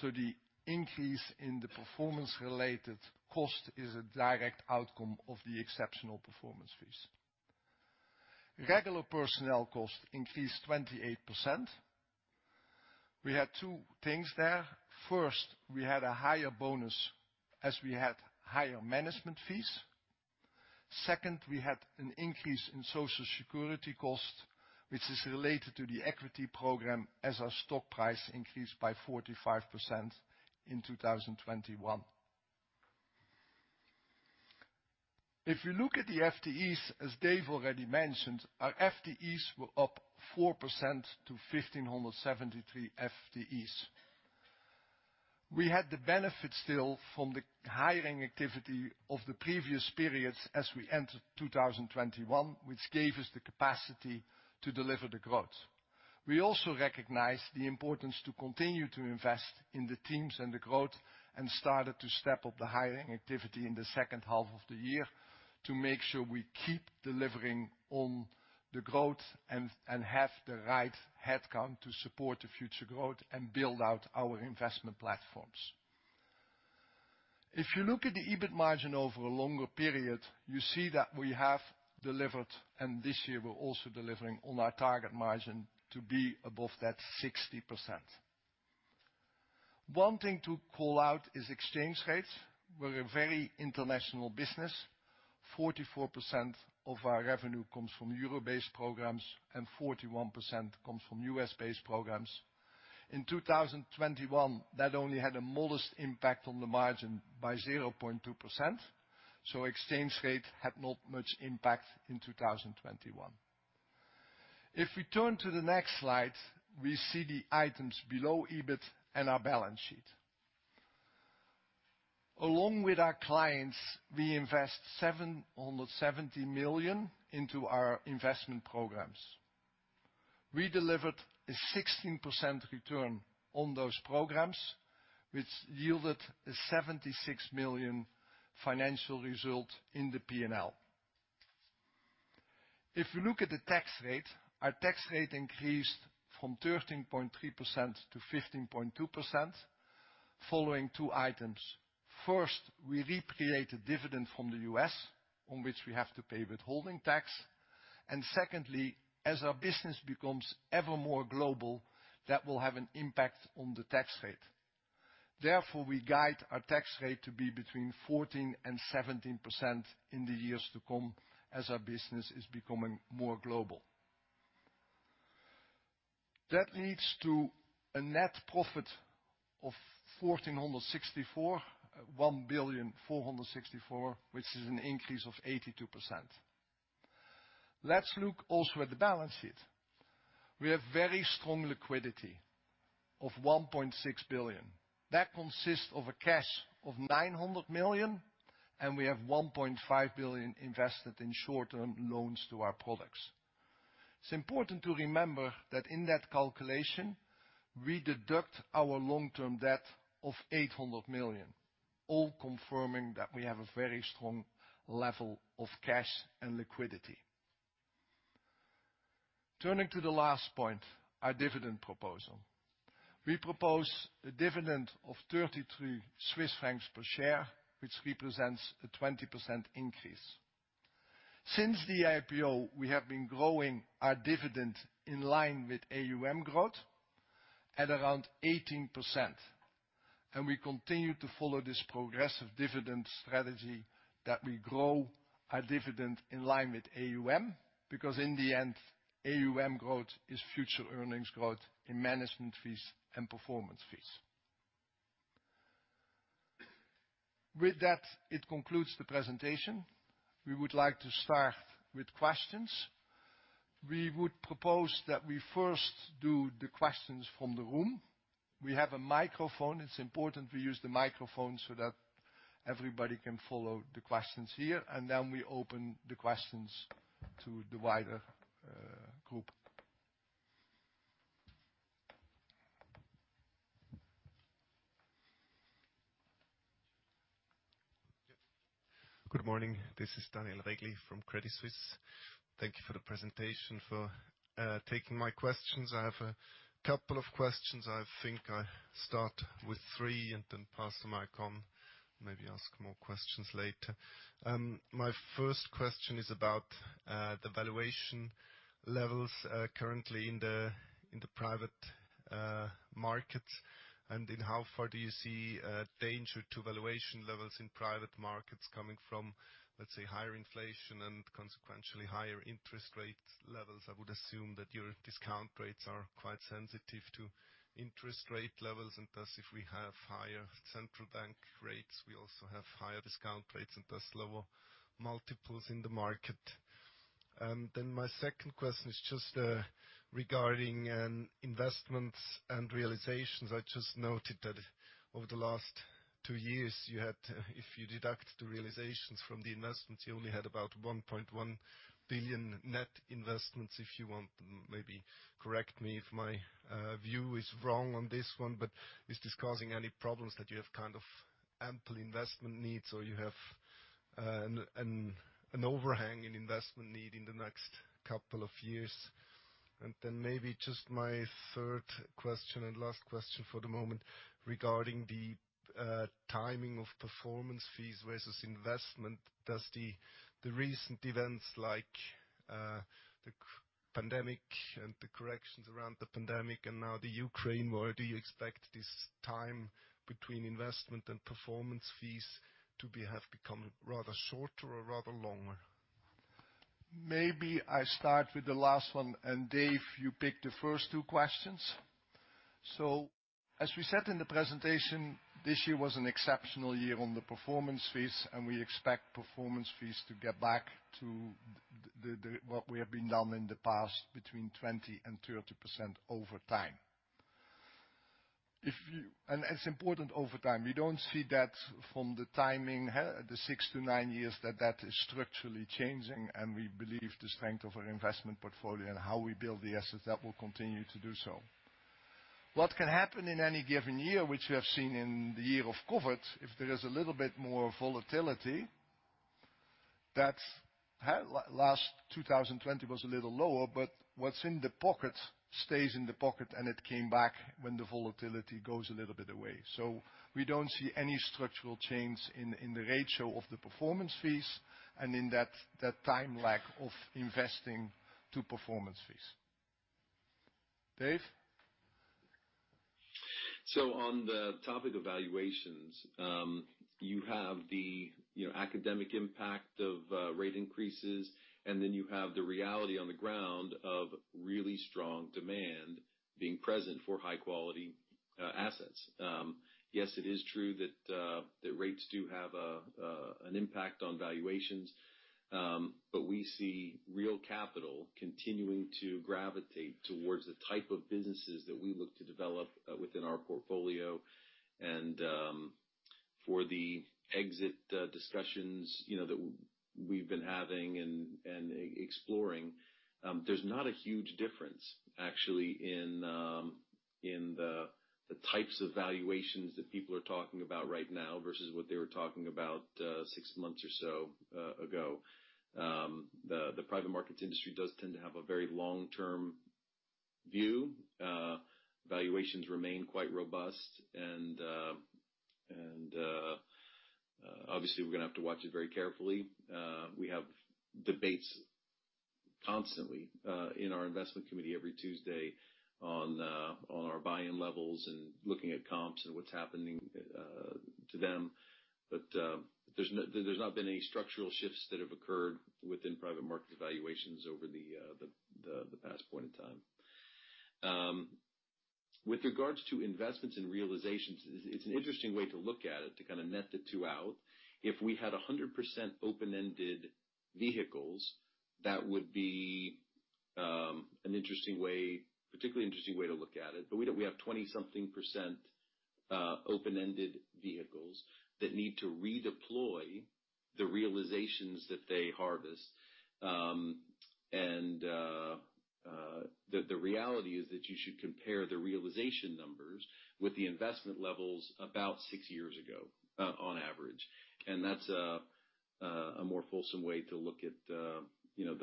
so the increase in the performance-related cost is a direct outcome of the exceptional performance fees. Regular personnel costs increased 28%. We had two things there. First, we had a higher bonus as we had higher management fees. Second, we had an increase in Social Security costs, which is related to the equity program as our stock price increased by 45% in 2021. If you look at the FTEs, as Dave already mentioned, our FTEs were up 4% to 1,573 FTEs. We had the benefit still from the hiring activity of the previous periods as we entered 2021, which gave us the capacity to deliver the growth. We also recognized the importance to continue to invest in the teams and the growth and started to step up the hiring activity in the second half of the year to make sure we keep delivering on the growth and have the right headcount to support the future growth and build out our investment platforms. If you look at the EBIT margin over a longer period, you see that we have delivered, and this year we're also delivering on our target margin to be above that 60%. One thing to call out is exchange rates. We're a very international business. 44% of our revenue comes from euro-based programs, and 41% comes from U.S.-based programs. In 2021, that only had a modest impact on the margin by 0.2%, so exchange rate had not much impact in 2021. If we turn to the next slide, we see the items below EBIT and our balance sheet. Along with our clients, we invest 770 million into our investment programs. We delivered a 16% return on those programs, which yielded a 76 million financial result in the P&L. If we look at the tax rate, our tax rate increased from 13.3%-15.2% following two items. First, we repatriated dividend from the U.S., on which we have to pay withholding tax. Secondly, as our business becomes ever more global, that will have an impact on the tax rate. Therefore, we guide our tax rate to be between 14% and 17% in the years to come as our business is becoming more global. That leads to a net profit of 1,464 million. 1.464 billion, which is an increase of 82%. Let's look also at the balance sheet. We have very strong liquidity of 1.6 billion. That consists of a cash of 900 million, and we have 1.5 billion invested in short-term loans to our products. It's important to remember that in that calculation, we deduct our long-term debt of 800 million, all confirming that we have a very strong level of cash and liquidity. Turning to the last point, our dividend proposal. We propose a dividend of 33 Swiss francs per share, which represents a 20% increase. Since the IPO, we have been growing our dividend in line with AUM growth at around 18%, and we continue to follow this progressive dividend strategy that we grow our dividend in line with AUM, because in the end, AUM growth is future earnings growth in management fees and performance fees. With that, it concludes the presentation. We would like to start with questions. We would propose that we first do the questions from the room. We have a microphone. It's important we use the microphone so that everybody can follow the questions here, and then we open the questions to the wider group. Good morning. This is Daniel Regli from Credit Suisse. Thank you for the presentation, for taking my questions. I have a couple of questions. I think I start with three and then pass the mic on, maybe ask more questions later. My first question is about the valuation levels currently in the private market, and in how far do you see a danger to valuation levels in private markets coming from, let's say, higher inflation and consequentially higher interest rate levels? I would assume that your discount rates are quite sensitive to interest rate levels, and thus, if we have higher central bank rates, we also have higher discount rates and thus lower multiples in the market. Then my second question is just regarding investments and realizations. I just noted that over the last two years you had to. If you deduct the realizations from the investments, you only had about 1.1 billion net investments. If you want, maybe correct me if my view is wrong on this one, but is this causing any problems that you have kind of ample investment needs or you have an overhang in investment need in the next couple of years? Then maybe just my third question and last question for the moment regarding the timing of performance fees versus investment. Does the recent events like the cr- Pandemic and the corrections around the pandemic and now the Ukraine war. Do you expect this time between investment and performance fees to have become rather shorter or rather longer? Maybe I start with the last one, and Dave, you pick the first two questions. As we said in the presentation, this year was an exceptional year on the performance fees, and we expect performance fees to get back to the what we have been done in the past between 20% and 30% over time. It's important over time. We don't see that from the timing, the 6-9 years that is structurally changing, and we believe the strength of our investment portfolio and how we build the assets, that will continue to do so. What can happen in any given year, which we have seen in the year of COVID, if there is a little bit more volatility, that's last 2020 was a little lower, but what's in the pocket stays in the pocket, and it came back when the volatility goes a little bit away. We don't see any structural change in the ratio of the performance fees and in that time lag of investing to performance fees. Dave? On the topic of valuations, you know, the academic impact of rate increases, and then you have the reality on the ground of really strong demand being present for high quality assets. Yes, it is true that the rates do have an impact on valuations, but we see real capital continuing to gravitate towards the type of businesses that we look to develop within our portfolio and for the exit discussions, you know, that we've been having and exploring, there's not a huge difference actually in the types of valuations that people are talking about right now versus what they were talking about six months or so ago. The private markets industry does tend to have a very long-term view. Valuations remain quite robust, and obviously we're gonna have to watch it very carefully. We have debates constantly in our investment committee every Tuesday on our buy-in levels and looking at comps and what's happening to them. There's not been any structural shifts that have occurred within private markets valuations over the past point in time. With regards to investments and realizations, it's an interesting way to look at it, to kind of net the two out. If we had 100% open-ended vehicles, that would be an interesting way, particularly interesting way to look at it. We don't. We have 20-something% open-ended vehicles that need to redeploy the realizations that they harvest. The reality is that you should compare the realization numbers with the investment levels about 6 years ago, on average. That's a more fulsome way to look at, you know,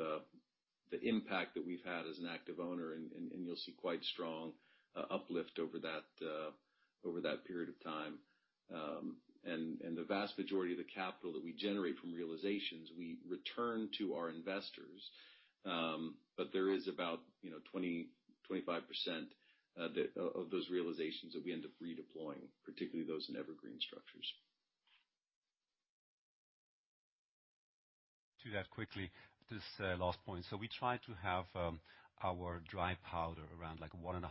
the impact that we've had as an active owner, and you'll see quite strong uplift over that period of time. The vast majority of the capital that we generate from realizations we return to our investors. But there is about, you know, 20-25% that of those realizations that we end up redeploying, particularly those in evergreen structures. To that quickly, this last point. We try to have our dry powder around like 1.5-2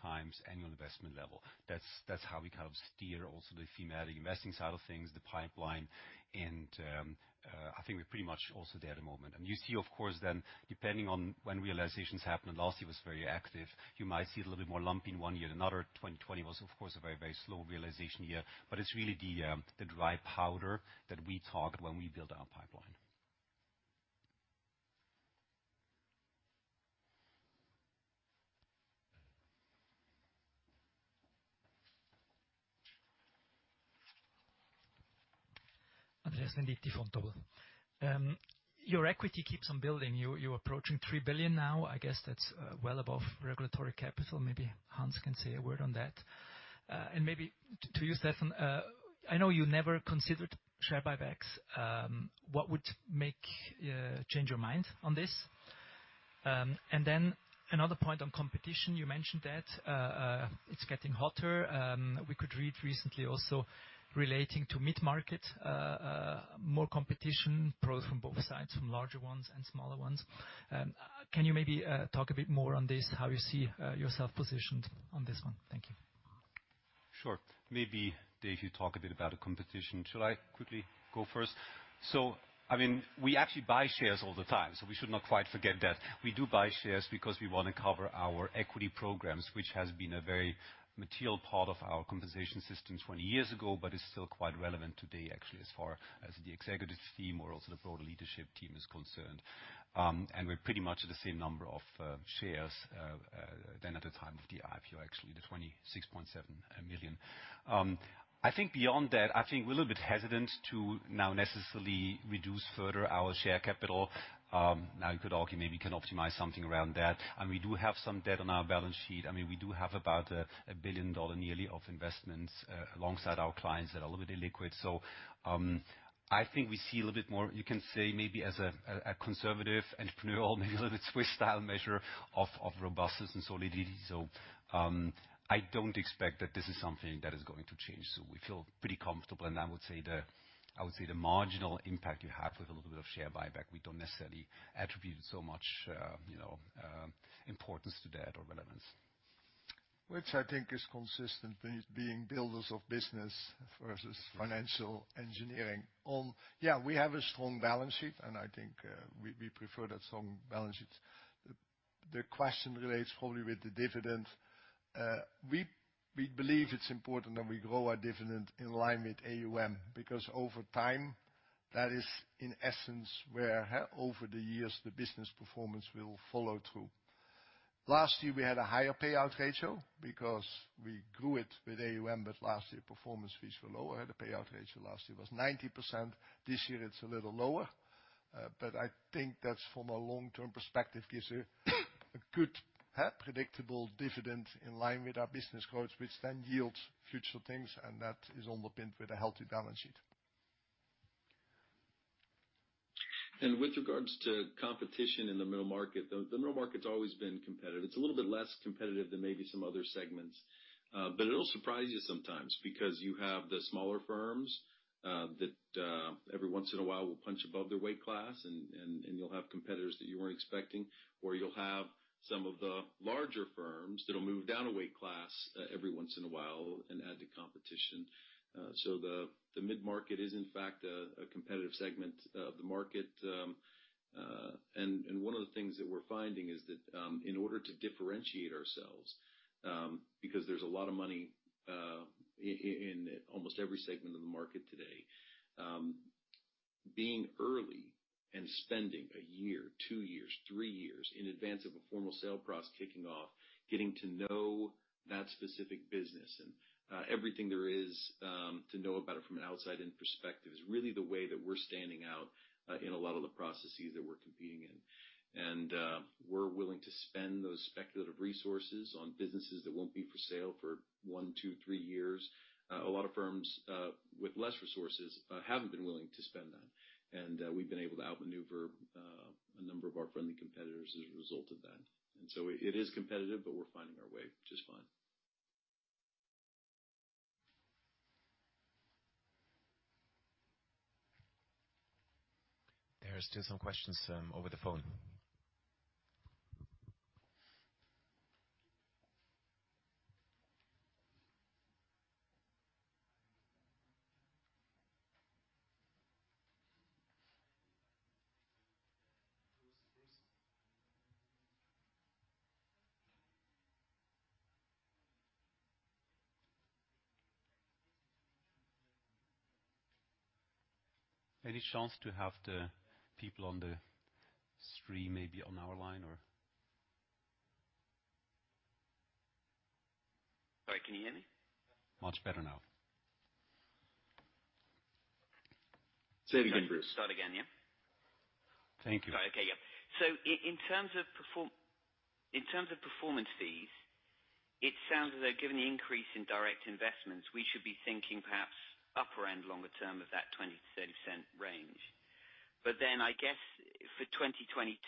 times annual investment level. That's how we kind of steer also the thematic investing side of things, the pipeline. I think we're pretty much also there at the moment. You see of course then, depending on when realizations happen, and last year was very active, you might see it a little bit more lumpy in one year. Another, 2020 was of course a very, very slow realization year. It's really the dry powder that we target when we build our pipeline. Andreas Venditti, Vontobel. Your equity keeps on building. You're approaching 3 billion now. I guess that's well above regulatory capital. Maybe Hans can say a word on that. Maybe to you, Steffen, I know you never considered share buybacks. What would make you change your mind on this? Another point on competition, you mentioned that it's getting hotter. We could read recently also relating to mid-market, more competition probably from both sides, from larger ones and smaller ones. Can you maybe talk a bit more on this, how you see yourself positioned on this one? Thank you. Sure. Maybe Dave, you talk a bit about the competition. Shall I quickly go first? I mean, we actually buy shares all the time, so we should not quite forget that. We do buy shares because we wanna cover our equity programs, which has been a very material part of our compensation system 20 years ago, but is still quite relevant today actually, as far as the executive team or also the broader leadership team is concerned. We're pretty much at the same number of shares as at the time of the IPO, actually, the 26.7 million. I think beyond that, I think we're a little bit hesitant to now necessarily reduce further our share capital. Now you could argue maybe you can optimize something around that, and we do have some debt on our balance sheet. I mean, we do have about a $1 billion yearly of investments alongside our clients that are a little bit illiquid. I think we see a little bit more, you can say maybe as a conservative entrepreneurial, maybe a little bit Swiss style measure of robustness and solidity. I don't expect that this is something that is going to change. We feel pretty comfortable, and I would say the marginal impact you have with a little bit of share buyback, we don't necessarily attribute so much, you know, importance to that or relevance. Which I think is consistent with being builders of business versus financial engineering. Yeah, we have a strong balance sheet, and I think we prefer that strong balance sheet. The question relates probably with the dividend. We believe it's important that we grow our dividend in line with AUM, because over time, that is, in essence, where, over the years, the business performance will follow through. Last year we had a higher payout ratio because we grew it with AUM, but last year, performance fees were lower. The payout ratio last year was 90%. This year it's a little lower. I think that's from a long-term perspective, gives a good predictable dividend in line with our business growth, which then yields future things, and that is underpinned with a healthy balance sheet. With regards to competition in the middle market, the middle market's always been competitive. It's a little bit less competitive than maybe some other segments. It'll surprise you sometimes because you have the smaller firms that every once in a while will punch above their weight class, and you'll have competitors that you weren't expecting, or you'll have some of the larger firms that'll move down a weight class every once in a while and add to competition. The mid-market is in fact a competitive segment of the market. One of the things that we're finding is that in order to differentiate ourselves because there's a lot of money in almost every segment of the market today being early and spending 1 year, 2 years, 3 years in advance of a formal sale process kicking off getting to know that specific business and everything there is to know about it from an outside-in perspective is really the way that we're standing out in a lot of the processes that we're competing in. We're willing to spend those speculative resources on businesses that won't be for sale for 1, 2, 3 years. A lot of firms with less resources haven't been willing to spend that. We've been able to outmaneuver a number of our friendly competitors as a result of that. It is competitive, but we're finding our way just fine. There are still some questions over the phone. Any chance to have the people on the screen maybe on our line, or? Sorry, can you hear me? Much better now. Say it again, Bruce. Start again, yeah? Thank you. Okay, yeah. In terms of performance fees, it sounds as though given the increase in direct investments, we should be thinking perhaps upper end longer term of that 20%-30% range. I guess for 2022,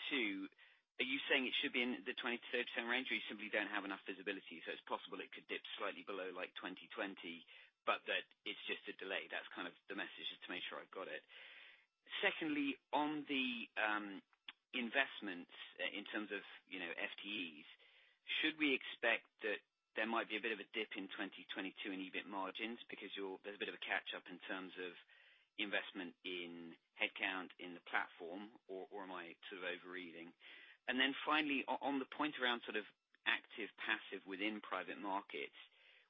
are you saying it should be in the 20%-30% range, or you simply don't have enough visibility, so it's possible it could dip slightly below like 2020, but that it's just a delay? That's kind of the message, just to make sure I've got it. Secondly, on the investments in terms of, you know, FTEs, should we expect that there might be a bit of a dip in 2022 in EBIT margins because there's a bit of a catch up in terms of investment in headcount in the platform, or am I sort of overreading? Finally, on the point around sort of active, passive within private markets,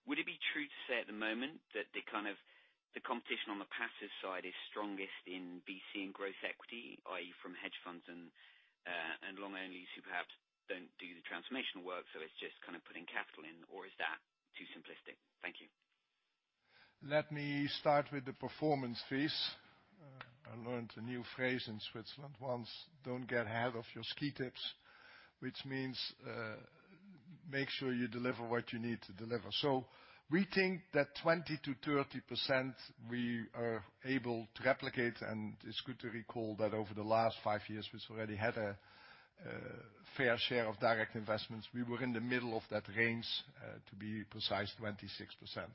would it be true to say at the moment that the kind of the competition on the passive side is strongest in buyout and growth equity, i.e., from hedge funds and long-onlys who perhaps don't do the transformational work, so it's just kind of putting capital in, or is that too simplistic? Thank you. Let me start with the performance fees. I learned a new phrase in Switzerland once, "Don't get ahead of your ski tips," which means, make sure you deliver what you need to deliver. We think that 20%-30% we are able to replicate, and it's good to recall that over the last 5 years, we've already had a fair share of direct investments. We were in the middle of that range, to be precise, 26%.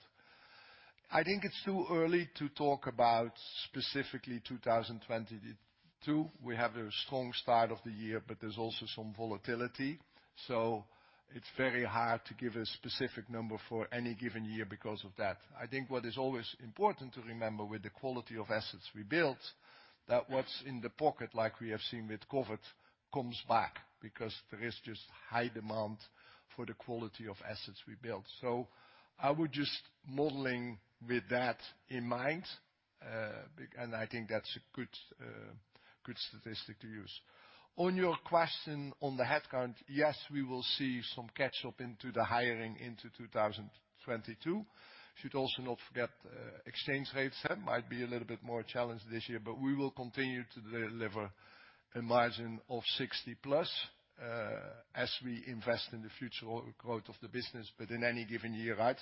I think it's too early to talk about specifically 2022. We have a strong start of the year, but there's also some volatility. It's very hard to give a specific number for any given year because of that. I think what is always important to remember with the quality of assets we built, that what's in the pocket, like we have seen with COVID, comes back because there is just high demand for the quality of assets we built. I would just modeling with that in mind, and I think that's a good statistic to use. On your question on the headcount, yes, we will see some catch up into the hiring into 2022. Should also not forget exchange rates. Might be a little bit more challenged this year, but we will continue to deliver a margin of 60+, as we invest in the future growth of the business, but in any given year, right,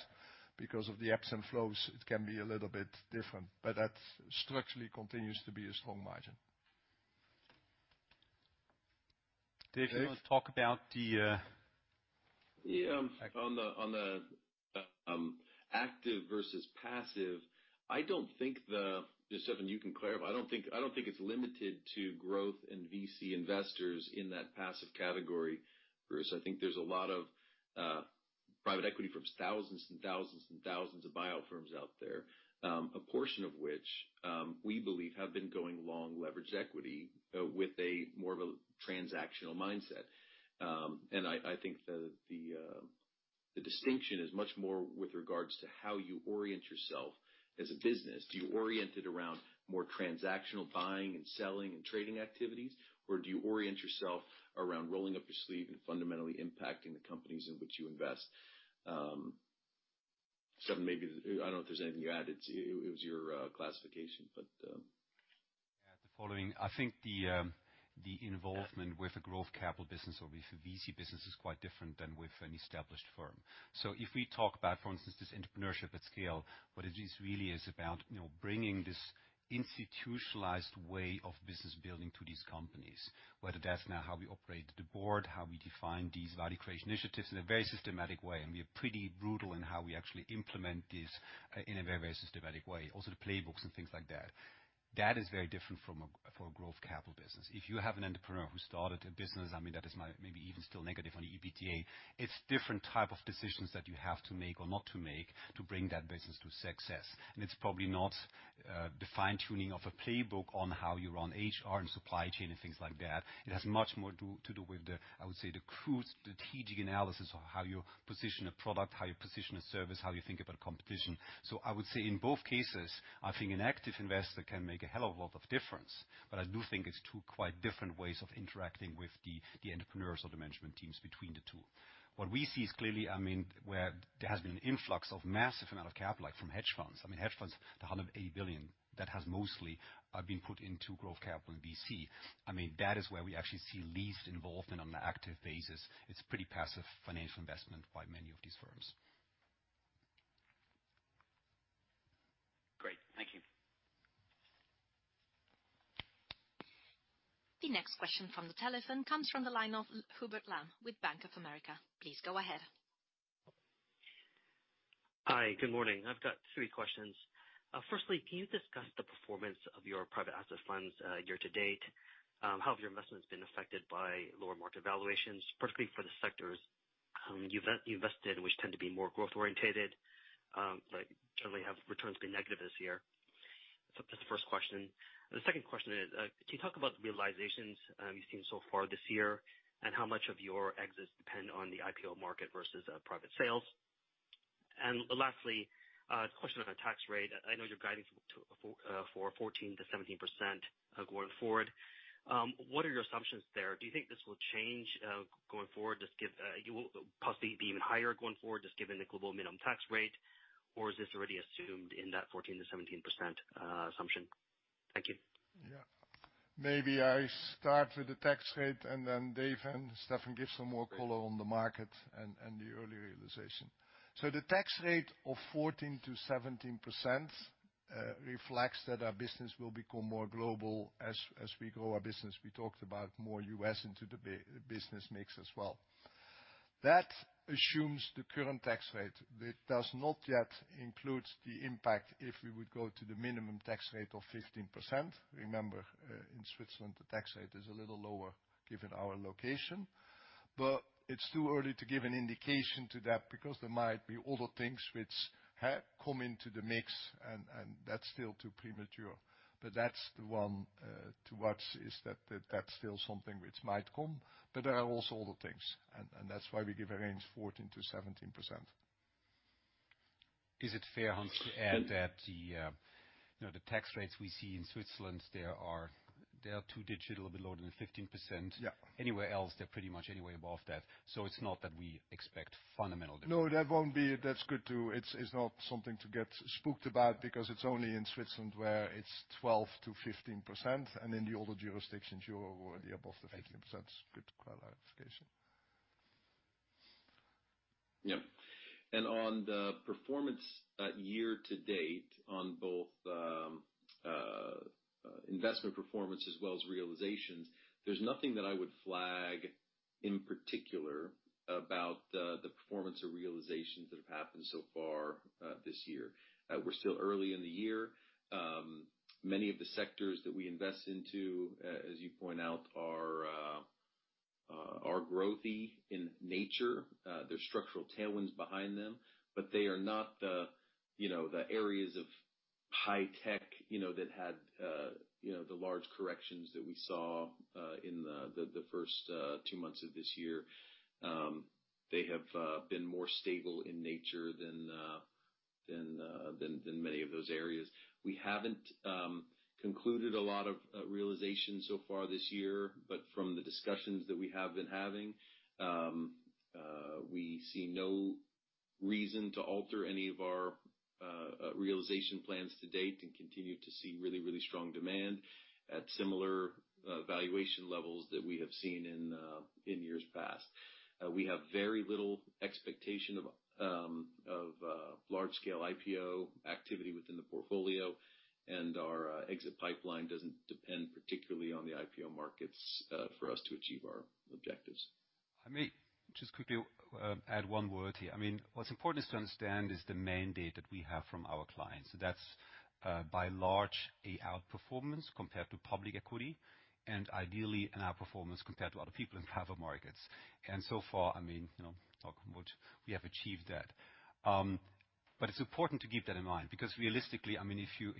because of the ebbs and flows, it can be a little bit different. That structurally continues to be a strong margin. Dave, do you want to talk about the? On the active versus passive. Steffen, you can clarify. I don't think it's limited to growth in VC investors in that passive category, Bruce. I think there's a lot of private equity firms, thousands and thousands and thousands of buyout firms out there, a portion of which we believe have been going long leveraged equity, with more of a transactional mindset. I think the distinction is much more with regards to how you orient yourself as a business. Do you orient it around more transactional buying and selling and trading activities? Or do you orient yourself around rolling up your sleeve and fundamentally impacting the companies in which you invest? Steffen, maybe I don't know if there's anything you add. It was your classification, but. I think the involvement with the growth capital business or with the VC business is quite different than with an established firm. If we talk about, for instance, this entrepreneurship at scale, what it really is about, you know, bringing this institutionalized way of business building to these companies, whether that's now how we operate the board, how we define these value creation initiatives in a very systematic way, and we are pretty brutal in how we actually implement this in a very systematic way, also the playbooks and things like that. That is very different from a, for a growth capital business. If you have an entrepreneur who started a business, I mean, that is maybe even still negative on the EBITDA, it's different type of decisions that you have to make or not to make to bring that business to success. It's probably not the fine-tuning of a playbook on how you run HR and supply chain and things like that. It has much more to do with the, I would say, the crude strategic analysis of how you position a product, how you position a service, how you think about competition. I would say in both cases, I think an active investor can make a hell of a lot of difference. I do think it's two quite different ways of interacting with the entrepreneurs or the management teams between the two. What we see is clearly, I mean, where there has been an influx of massive amount of capital from hedge funds. I mean, hedge funds, the $180 billion that has mostly been put into growth capital in VC. I mean, that is where we actually see least involvement on the active basis. It's pretty passive financial investment by many of these firms. Great. Thank you. The next question from the telephone comes from the line of Hubert Lam with Bank of America. Please go ahead. Hi, good morning. I've got three questions. Firstly, can you discuss the performance of your private asset funds, year to date? How have your investments been affected by lower market valuations, particularly for the sectors you've invested in, which tend to be more growth-oriented, but certainly have returns been negative this year? That's the first question. The second question is, can you talk about the realizations you've seen so far this year and how much of your exits depend on the IPO market versus private sales? Lastly, a question on the tax rate. I know you're guiding for 14%-17% going forward. What are your assumptions there? Do you think this will change going forward? Just give, you will possibly be even higher going forward, just given the global minimum tax rate, or is this already assumed in that 14%-17% assumption? Thank you. Yeah. Maybe I start with the tax rate and then Dave and Steffen give some more color on the market and the early realization. The tax rate of 14%-17% reflects that our business will become more global as we grow our business. We talked about more US into the business mix as well. That assumes the current tax rate. It does not yet include the impact if we would go to the minimum tax rate of 15%. Remember, in Switzerland, the tax rate is a little lower given our location, but it's too early to give an indication to that because there might be other things which have come into the mix, and that's still too premature. That's the one to watch is that's still something which might come. There are also other things, and that's why we give a range 14%-17%. Is it fair, Hans, to add that the tax rates we see in Switzerland are two-digit, a little bit lower than the 15%? Yeah. Anywhere else, they're pretty much anywhere above that. It's not that we expect fundamental difference. No, that won't be. That's good, too. It's not something to get spooked about because it's only in Switzerland where it's 12%-15%, and in the other jurisdictions, you're already above the 15%. It's good clarification. Yeah. On the performance, year to date on both investment performance as well as realizations, there's nothing that I would flag in particular about the performance or realizations that have happened so far this year. We're still early in the year. Many of the sectors that we invest into, as you point out, are growthy in nature. There's structural tailwinds behind them, but they are not, you know, the areas of high tech, you know, that had the large corrections that we saw in the first two months of this year. They have been more stable in nature than many of those areas. We haven't concluded a lot of realization so far this year, but from the discussions that we have been having, we see no reason to alter any of our realization plans to date and continue to see really strong demand at similar valuation levels that we have seen in years past. We have very little expectation of large scale IPO activity within the portfolio and our exit pipeline doesn't depend particularly on the IPO markets for us to achieve our objectives. I may just quickly add one word here. I mean, what's important is to understand the mandate that we have from our clients. That's by and large a outperformance compared to public equity, and ideally an outperformance compared to other people in private markets. So far, I mean, you know, knock on wood, we have achieved that. It's important to keep that in mind because realistically, I mean, if you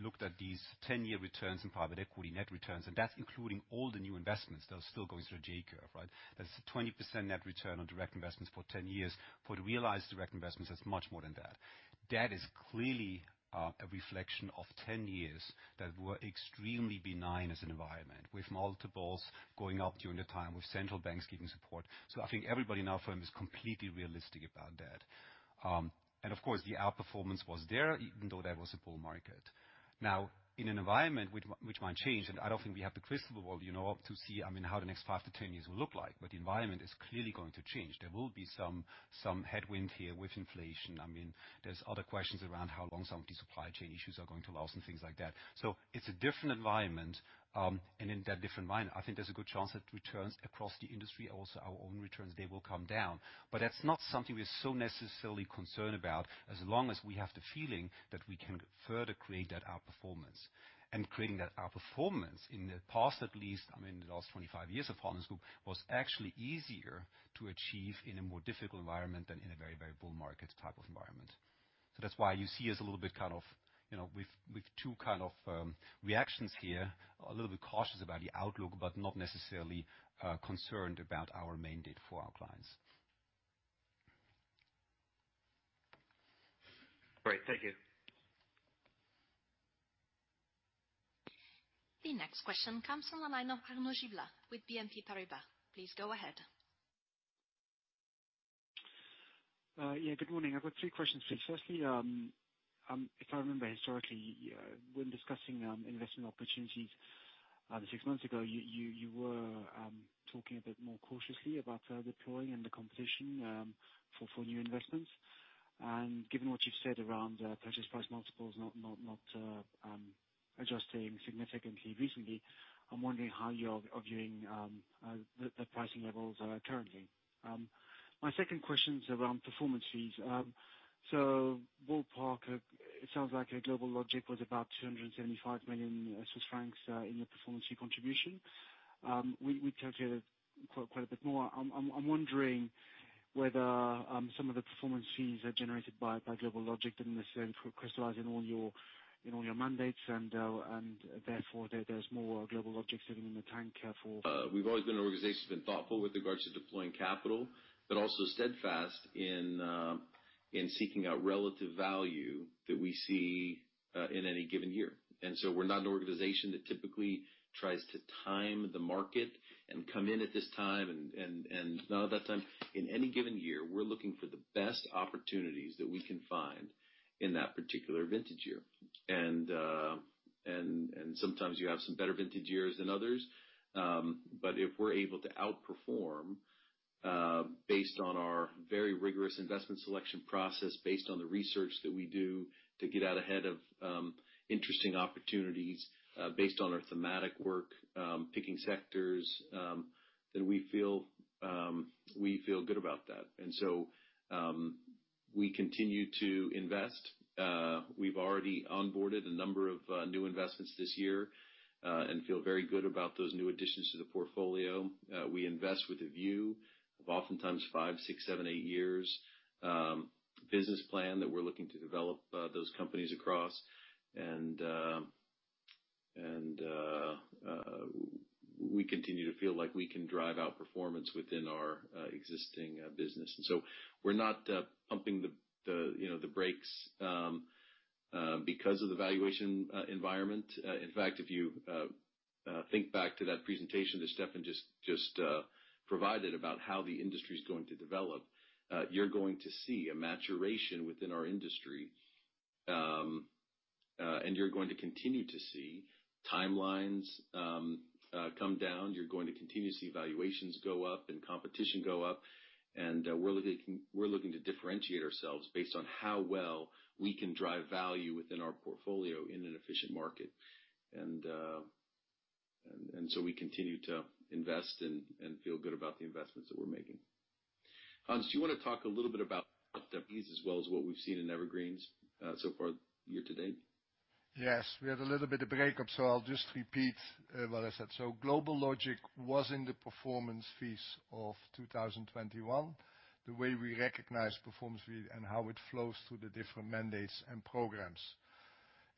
looked at these 10-year returns in private equity net returns, and that's including all the new investments, they're still going through a J-curve, right? That's a 20% net return on direct investments for 10 years. For the realized direct investments, that's much more than that. That is clearly a reflection of 10 years that were extremely benign as an environment, with multiples going up during the time, with central banks giving support. I think everybody in our firm is completely realistic about that. And of course, the outperformance was there even though that was a bull market. Now, in an environment which might change, and I don't think we have the crystal ball, you know, to see, I mean, how the next 5-10 years will look like, but the environment is clearly going to change. There will be some headwind here with inflation. I mean, there's other questions around how long some of these supply chain issues are going to last and things like that. It's a different environment, and in that different environment, I think there's a good chance that returns across the industry, also our own returns, they will come down. That's not something we're so necessarily concerned about as long as we have the feeling that we can further create that outperformance. Creating that outperformance in the past at least, I mean, the last 25 years of Partners Group, was actually easier to achieve in a more difficult environment than in a very, very bull market type of environment. That's why you see us a little bit kind of, you know, with two kind of reactions here, a little bit cautious about the outlook, but not necessarily concerned about our mandate for our clients. Great. Thank you. The next question comes on the line of Arnaud Giblat with BNP Paribas. Please go ahead. Yeah, good morning. I've got three questions. Firstly, if I remember historically, when discussing investment opportunities six months ago, you were talking a bit more cautiously about deploying and the competition for new investments. Given what you've said around purchase price multiples not adjusting significantly recently, I'm wondering how you are viewing the pricing levels currently. My second question's around performance fees. Ballpark, it sounds like GlobalLogic was about 275 million Swiss francs in the performance fee contribution. We calculated quite a bit more. I'm wondering whether some of the performance fees generated by GlobalLogic didn't necessarily crystallize in all your mandates and therefore there's more GlobalLogic sitting in the tank for- We've always been an organization that's been thoughtful with regards to deploying capital, but also steadfast in seeking out relative value that we see in any given year. We're not an organization that typically tries to time the market and come in at this time and not at that time. In any given year, we're looking for the best opportunities that we can find in that particular vintage year. Sometimes you have some better vintage years than others. But if we're able to outperform based on our very rigorous investment selection process, based on the research that we do to get out ahead of interesting opportunities, based on our thematic work picking sectors, then we feel good about that. We continue to invest. We've already onboarded a number of new investments this year and feel very good about those new additions to the portfolio. We invest with a view of oftentimes five, six, seven, eight years business plan that we're looking to develop those companies across. We continue to feel like we can drive outperformance within our existing business. We're not pumping the you know the brakes because of the valuation environment. In fact, if you think back to that presentation that Steffen just provided about how the industry's going to develop, you're going to see a maturation within our industry. You're going to continue to see timelines come down. You're going to continue to see valuations go up and competition go up, and we're looking to differentiate ourselves based on how well we can drive value within our portfolio in an efficient market. So we continue to invest and feel good about the investments that we're making. Hans, do you wanna talk a little bit about WPs as well as what we've seen in Evergreens so far year to date? Yes. We had a little bit of breakup, so I'll just repeat what I said. GlobalLogic was in the performance fees of 2021, the way we recognize performance fee and how it flows through the different mandates and programs.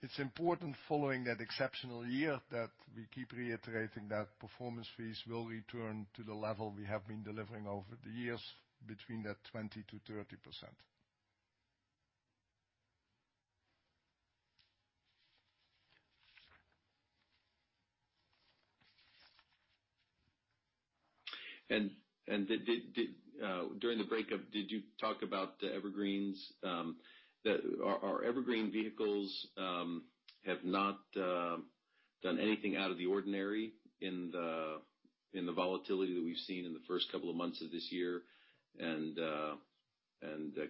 It's important following that exceptional year that we keep reiterating that performance fees will return to the level we have been delivering over the years between that 20%-30%. Did you talk about the evergreens? Our evergreen vehicles have not done anything out of the ordinary in the volatility that we've seen in the first couple of months of this year, and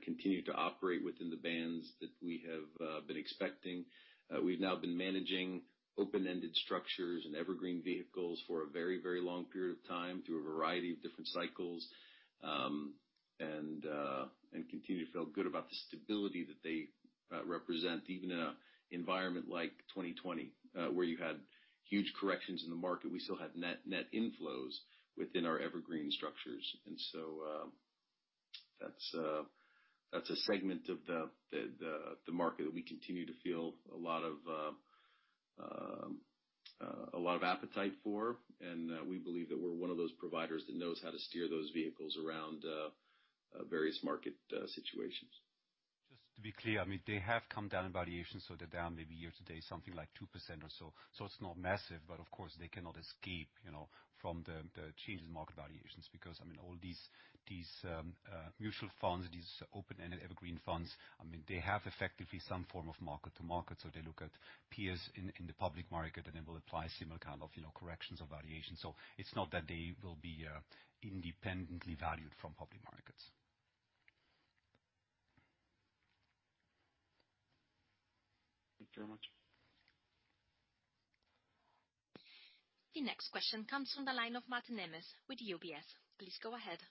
continue to operate within the bands that we have been expecting. We've now been managing open-ended structures and evergreen vehicles for a very long period of time through a variety of different cycles, and continue to feel good about the stability that they represent, even in an environment like 2020, where you had huge corrections in the market. We still had net inflows within our evergreen structures. That's a segment of the market that we continue to feel a lot of appetite for, and we believe that we're one of those providers that knows how to steer those vehicles around various market situations. Just to be clear, I mean, they have come down in valuation, so they're down maybe year to date something like 2% or so. It's not massive, but of course, they cannot escape, you know, from the change in market valuations. Because, I mean, all these mutual funds, these open-ended evergreen funds, I mean, they have effectively some form of mark-to-market. They look at peers in the public market, and then we'll apply a similar kind of, you know, corrections or valuations. It's not that they will be independently valued from public markets. Thank you very much. The next question comes from the line of Martin Emmet with UBS. Please go ahead.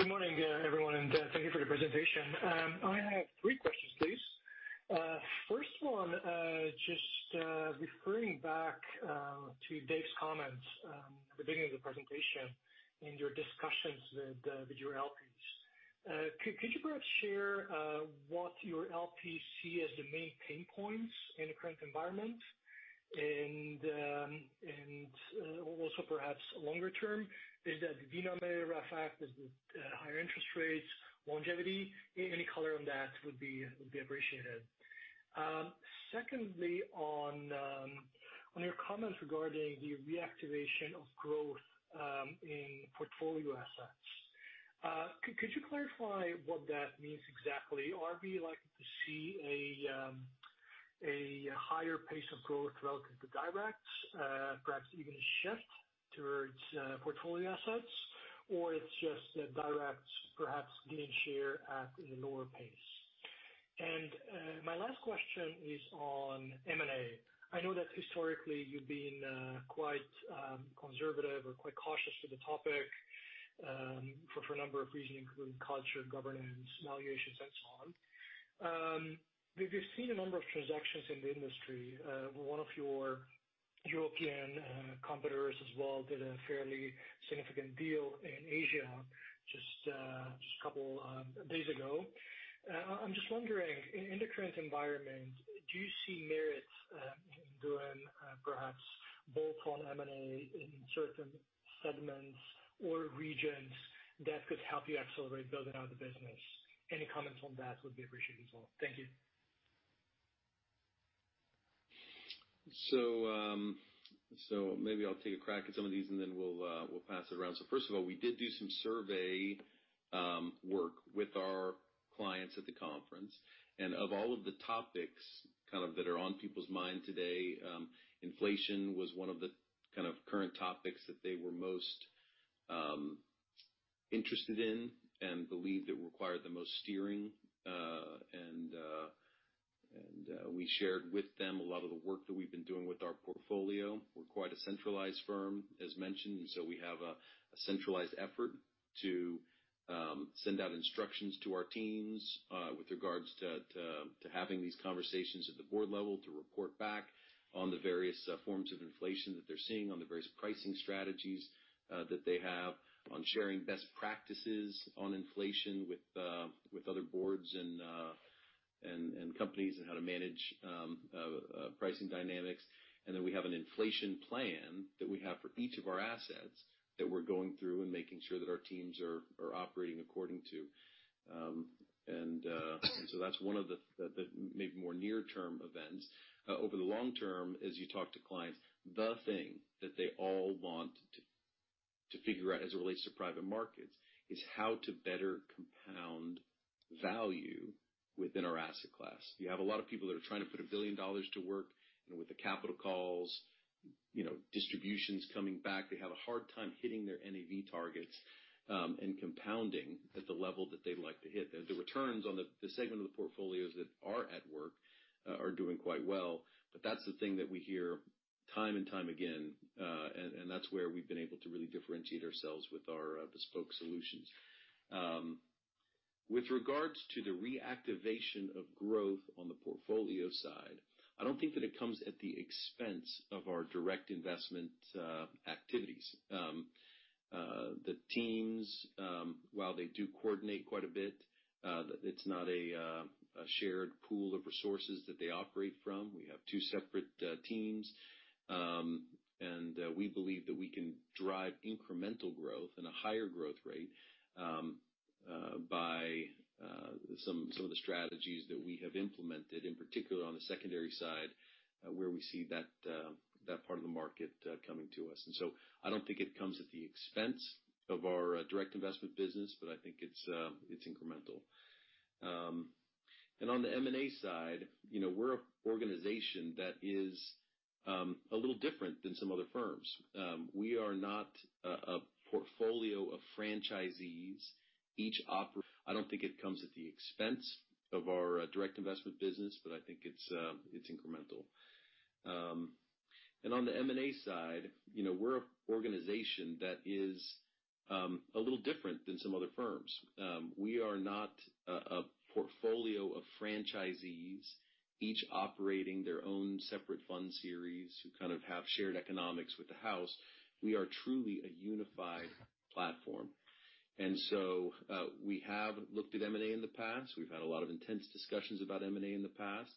Good morning, everyone, and thank you for the presentation. I have three questions, please. First one, just referring back to Dave's comments at the beginning of the presentation and your discussions with your LPs. Could you perhaps share what your LPs see as the main pain points in the current environment? Also perhaps longer term, is the denominator effect or the higher interest rates, longevity? Any color on that would be appreciated. Secondly, on your comments regarding the reactivation of growth in portfolio assets, could you clarify what that means exactly? Are we likely to see a higher pace of growth relative to directs, perhaps even a shift towards portfolio assets, or it's just that directs perhaps gaining share at a lower pace? My last question is on M&A. I know that historically you've been quite conservative or quite cautious to the topic for a number of reasons, including culture, governance, valuations, and so on. We've seen a number of transactions in the industry. One of your European competitors as well did a fairly significant deal in Asia just a couple days ago. I'm just wondering, in the current environment, do you see merits in doing perhaps bolt-on M&A in certain segments or regions that could help you accelerate building out the business? Any comments on that would be appreciated as well. Thank you. Maybe I'll take a crack at some of these, and then we'll pass it around. First of all, we did do some survey work with our clients at the conference. Of all of the topics kind of that are on people's mind today, inflation was one of the kind of current topics that they were most interested in and believed it required the most steering, and we shared with them a lot of the work that we've been doing with our portfolio. We're quite a centralized firm, as mentioned, and so we have a centralized effort to send out instructions to our teams with regards to having these conversations at the board level to report back on the various forms of inflation that they're seeing, on the various pricing strategies that they have, on sharing best practices on inflation with other boards and companies on how to manage pricing dynamics. Then we have an inflation plan that we have for each of our assets that we're going through and making sure that our teams are operating according to. That's one of the maybe more near-term events. Over the long term, as you talk to clients, the thing that they all want to figure out as it relates to private markets is how to better compound value within our asset class. You have a lot of people that are trying to put $1 billion to work, and with the capital calls, you know, distributions coming back, they have a hard time hitting their NAV targets and compounding at the level that they'd like to hit. The returns on the segment of the portfolios that are at work are doing quite well, but that's the thing that we hear time and time again. That's where we've been able to really differentiate ourselves with our bespoke solutions. With regards to the reactivation of growth on the portfolio side, I don't think that it comes at the expense of our direct investment activities. The teams, while they do coordinate quite a bit, it's not a shared pool of resources that they operate from. We have two separate teams. We believe that we can drive incremental growth and a higher growth rate by some of the strategies that we have implemented, in particular on the secondary side, where we see that part of the market coming to us. I don't think it comes at the expense of our direct investment business, but I think it's incremental. I don't think it comes at the expense of our direct investment business, but I think it's incremental. On the M&A side, you know, we're an organization that is a little different than some other firms. We are not a portfolio of franchisees, each operating their own separate fund series who kind of have shared economics with the house. We are truly a unified platform. So, we have looked at M&A in the past. We've had a lot of intense discussions about M&A in the past.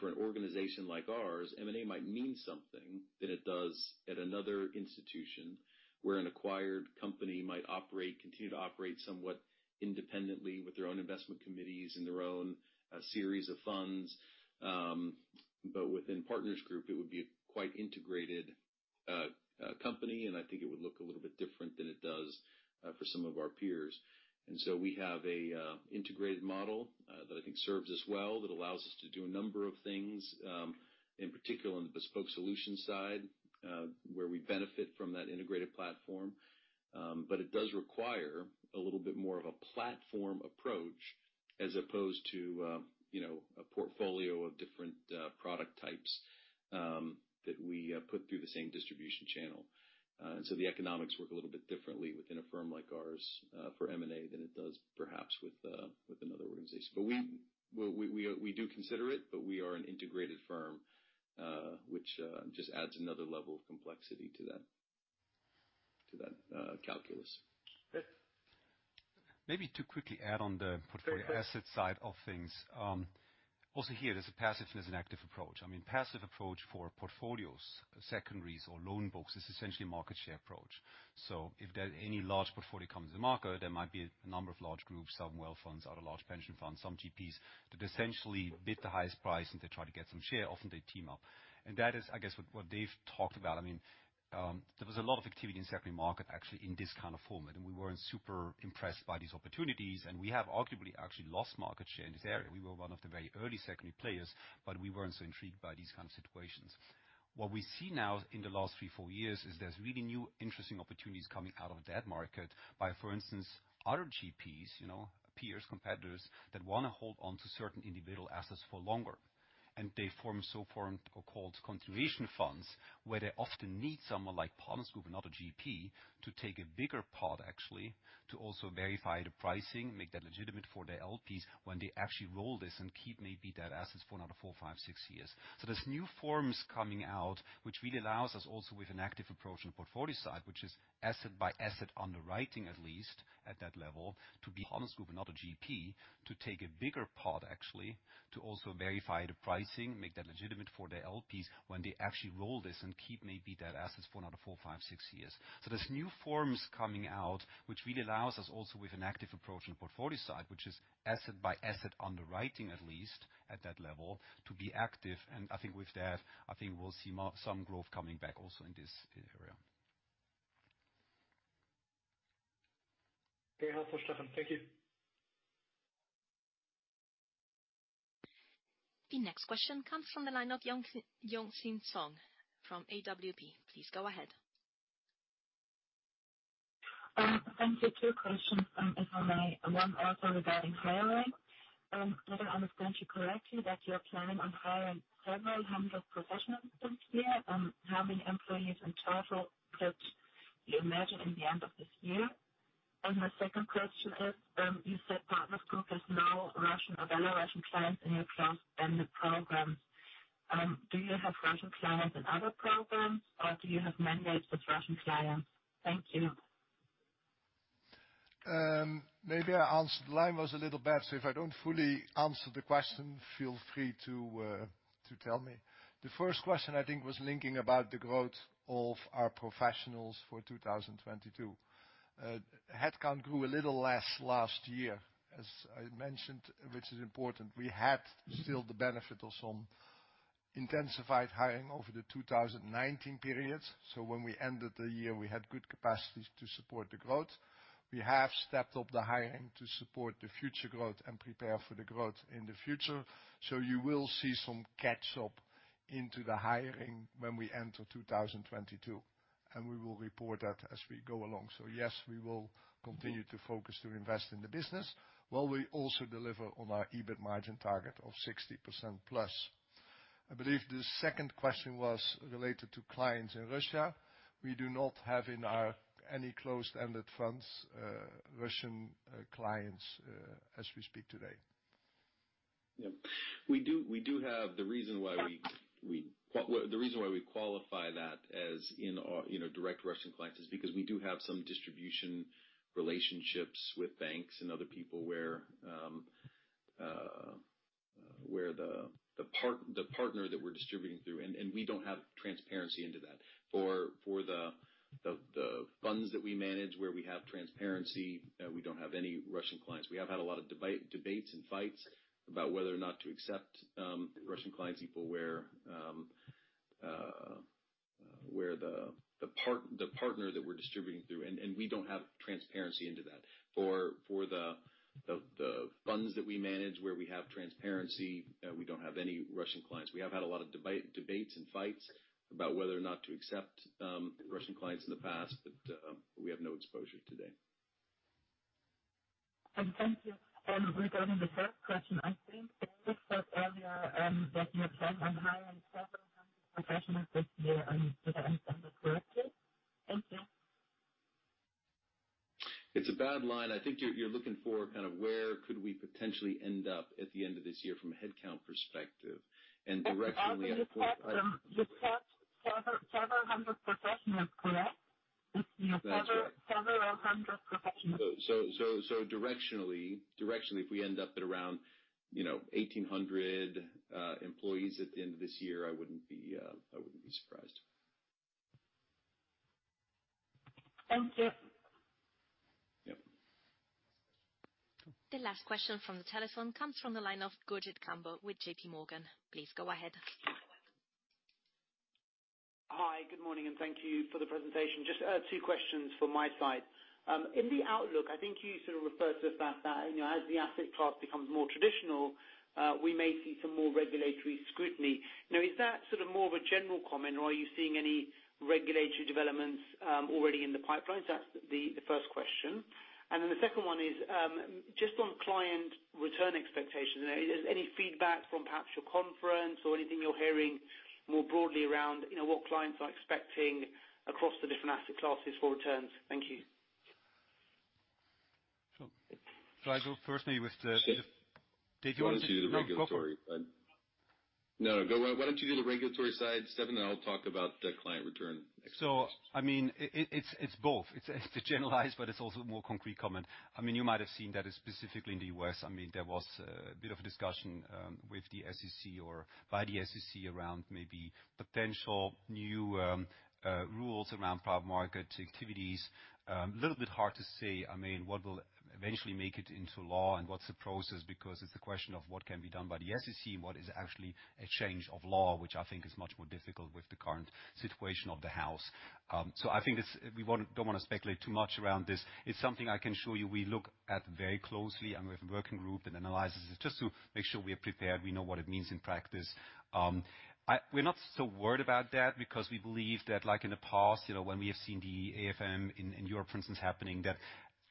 For an organization like ours, M&A might mean something different than it does at another institution where an acquired company might operate, continue to operate somewhat independently with their own investment committees and their own series of funds. Within Partners Group, it would be a quite integrated company, and I think it would look a little bit different than it does for some of our peers. We have an integrated model that I think serves us well, that allows us to do a number of things, in particular on the bespoke solutions side, where we benefit from that integrated platform. It does require a little bit more of a platform approach as opposed to, you know, a portfolio of different product types that we put through the same distribution channel. The economics work a little bit differently within a firm like ours for M&A than it does perhaps with another organization. We do consider it, but we are an integrated firm, which just adds another level of complexity to that calculus. Maybe to quickly add on the portfolio asset side of things. Also here, there's a passive and there's an active approach. I mean, passive approach for portfolios, secondaries or loan books is essentially a market share approach. If any large portfolio comes to the market, there might be a number of large groups, some wealth funds, other large pension funds, some GPs that essentially bid the highest price, and they try to get some share. Often they team up. That is, I guess, what Dave talked about. I mean, there was a lot of activity in secondary market actually in this kind of format, and we weren't super impressed by these opportunities, and we have arguably actually lost market share in this area. We were one of the very early secondary players, but we weren't so intrigued by these kind of situations. What we see now in the last three, four years is there's really new interesting opportunities coming out of that market by, for instance, other GPs, you know, peers, competitors that wanna hold on to certain individual assets for longer. They form so-called continuation funds, where they often need someone like Partners Group, another GP, to take a bigger part actually to also verify the pricing, make that legitimate for their LPs when they actually roll this and keep maybe that assets for another four, five, six years. There's new funds coming out which really allows us also with an active approach on the portfolio side, which is asset by asset underwriting, at least at that level, to be active. I think with that, we'll see more, some growth coming back also in this area. Okay. Thank you. The next question comes from the line of Yong-Xin Zhong from AWP. Please go ahead. Thank you. Two questions, if I may. One also regarding hiring. Did I understand you correctly that you're planning on hiring several hundred professionals this year? How many employees in total did you imagine in the end of this year? My second question is, you said Partners Group has no Russian or Belarusian clients in your closed-ended programs. Do you have Russian clients in other programs, or do you have mandates with Russian clients? Thank you. Maybe I answered. The line was a little bad, so if I don't fully answer the question, feel free to tell me. The first question, I think, was regarding the growth of our professionals for 2022. Headcount grew a little less last year, as I mentioned, which is important. We had still the benefit of some intensified hiring over the 2019 period. When we ended the year, we had good capacities to support the growth. We have stepped up the hiring to support the future growth and prepare for the growth in the future. You will see some catch-up in the hiring when we enter 2022, and we will report that as we go along. Yes, we will continue to focus to invest in the business while we also deliver on our EBIT margin target of 60%+. I believe the second question was related to clients in Russia. We do not have any Russian clients in our closed-ended funds, as we speak today. Yeah. We do have. The reason why we qualify that as in our, you know, direct Russian clients is because we do have some distribution relationships with banks and other people where the partner that we're distributing through, and we don't have transparency into that. For the funds that we manage where we have transparency, we don't have any Russian clients. We have had a lot of debates and fights about whether or not to accept Russian clients, people where the partner that we're distributing through, and we don't have transparency into that. For the funds that we manage where we have transparency, we don't have any Russian clients. We have had a lot of debates and fights about whether or not to accept Russian clients in the past, but we have no exposure today. Thank you. Regarding the first question, I think you said earlier that you plan on hiring several hundred professionals this year. Did I understand that correctly? Thank you. It's a bad line. I think you're looking for kind of where could we potentially end up at the end of this year from a headcount perspective. Directionally, I think- You said several hundred professionals, correct? That's right. Several hundred professionals. Directionally, if we end up at around, you know, 1,800 employees at the end of this year, I wouldn't be surprised. Thank you. Yep. The last question from the telephone comes from the line of Gurjit Kambo with J.P. Morgan. Please go ahead. Hi. Good morning, and thank you for the presentation. Just two questions from my side. In the outlook, I think you sort of referred to the fact that, you know, as the asset class becomes more traditional, we may see some more regulatory scrutiny. Now, is that sort of more of a general comment or are you seeing any regulatory developments already in the pipeline? That's the first question. The second one is just on client return expectations. Is there any feedback from perhaps your conference or anything you're hearing more broadly around, you know, what clients are expecting across the different asset classes for returns? Thank you. Sure. Shall I go first, maybe with the Sure. Did you want to do the regulatory? No. Why don't you do the regulatory side, Steffen? I'll talk about the client return expectation. I mean, it's both. It's the generalized, but it's also more concrete comment. I mean, you might have seen that specifically in the U.S. I mean, there was a bit of a discussion with the SEC or by the SEC around maybe potential new rules around private market activities. A little bit hard to say, I mean, what will eventually make it into law and what's the process, because it's a question of what can be done by the SEC, what is actually a change of law, which I think is much more difficult with the current situation of the House. I think we don't wanna speculate too much around this. It's something I can show you we look at very closely and with working group and analyzes it just to make sure we are prepared, we know what it means in practice. We're not so worried about that because we believe that like in the past, you know, when we have seen the AIFMD in Europe, for instance, happening that,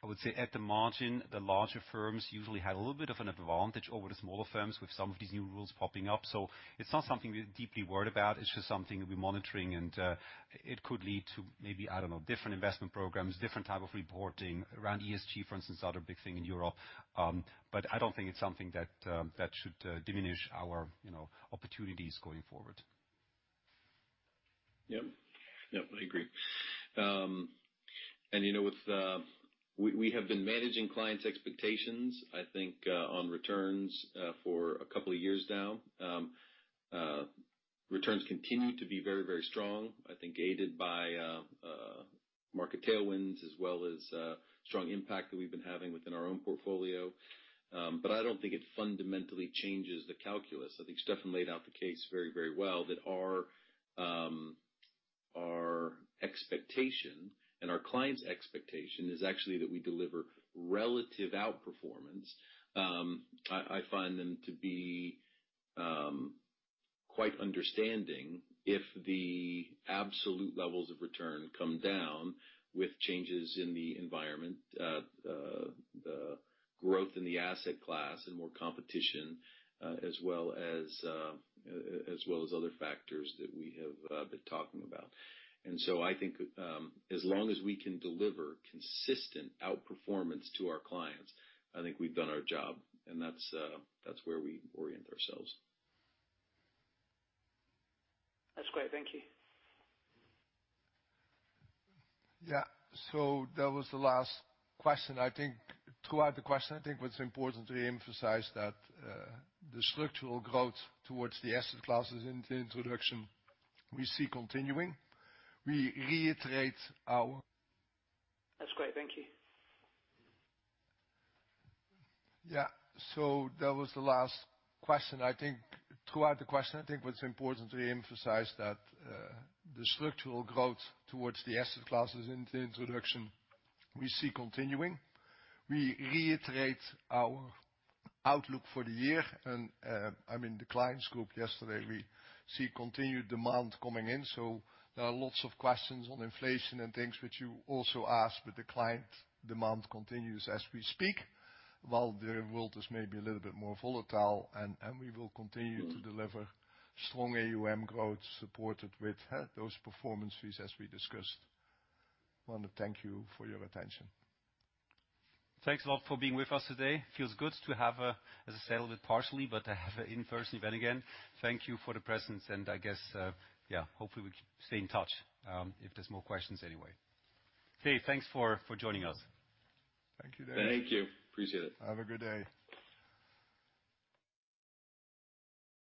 I would say at the margin, the larger firms usually had a little bit of an advantage over the smaller firms with some of these new rules popping up. It's not something we're deeply worried about. It's just something we'll be monitoring and it could lead to maybe, I don't know, different investment programs, different type of reporting around ESG, for instance, other big thing in Europe. I don't think it's something that should diminish our, you know, opportunities going forward. Yep. Yep, I agree. You know, with we have been managing clients' expectations, I think, on returns, for a couple of years now. Returns continue to be very, very strong, I think, aided by market tailwinds as well as strong impact that we've been having within our own portfolio. I don't think it fundamentally changes the calculus. I think Steffen laid out the case very, very well that our expectation and our client's expectation is actually that we deliver relative outperformance. I find them to be quite understanding if the absolute levels of return come down with changes in the environment, the growth in the asset class and more competition, as well as other factors that we have been talking about. I think, as long as we can deliver consistent outperformance to our clients, I think we've done our job, and that's where we orient ourselves. That's great. Thank you. Yeah. That was the last question. I think throughout the question, what's important to emphasize that the structural growth towards the asset classes in the introduction we see continuing. We reiterate our- That's great. Thank you. Yeah. That was the last question. I think what's important to emphasize that the structural growth towards the asset classes in the introduction we see continuing. We reiterate our outlook for the year and I mean, the clients group yesterday, we see continued demand coming in. There are lots of questions on inflation and things which you also ask, but the client demand continues as we speak, while the world is maybe a little bit more volatile. We will continue to deliver strong AUM growth supported with those performance fees as we discussed. I wanna thank you for your attention. Thanks a lot for being with us today. It feels good to have, as I said, a little bit partially, but to have an in-person event again. Thank you for the presence, and I guess, yeah, hopefully we stay in touch if there's more questions anyway. Okay. Thanks for joining us. Thank you. Thank you. Appreciate it. Have a good day.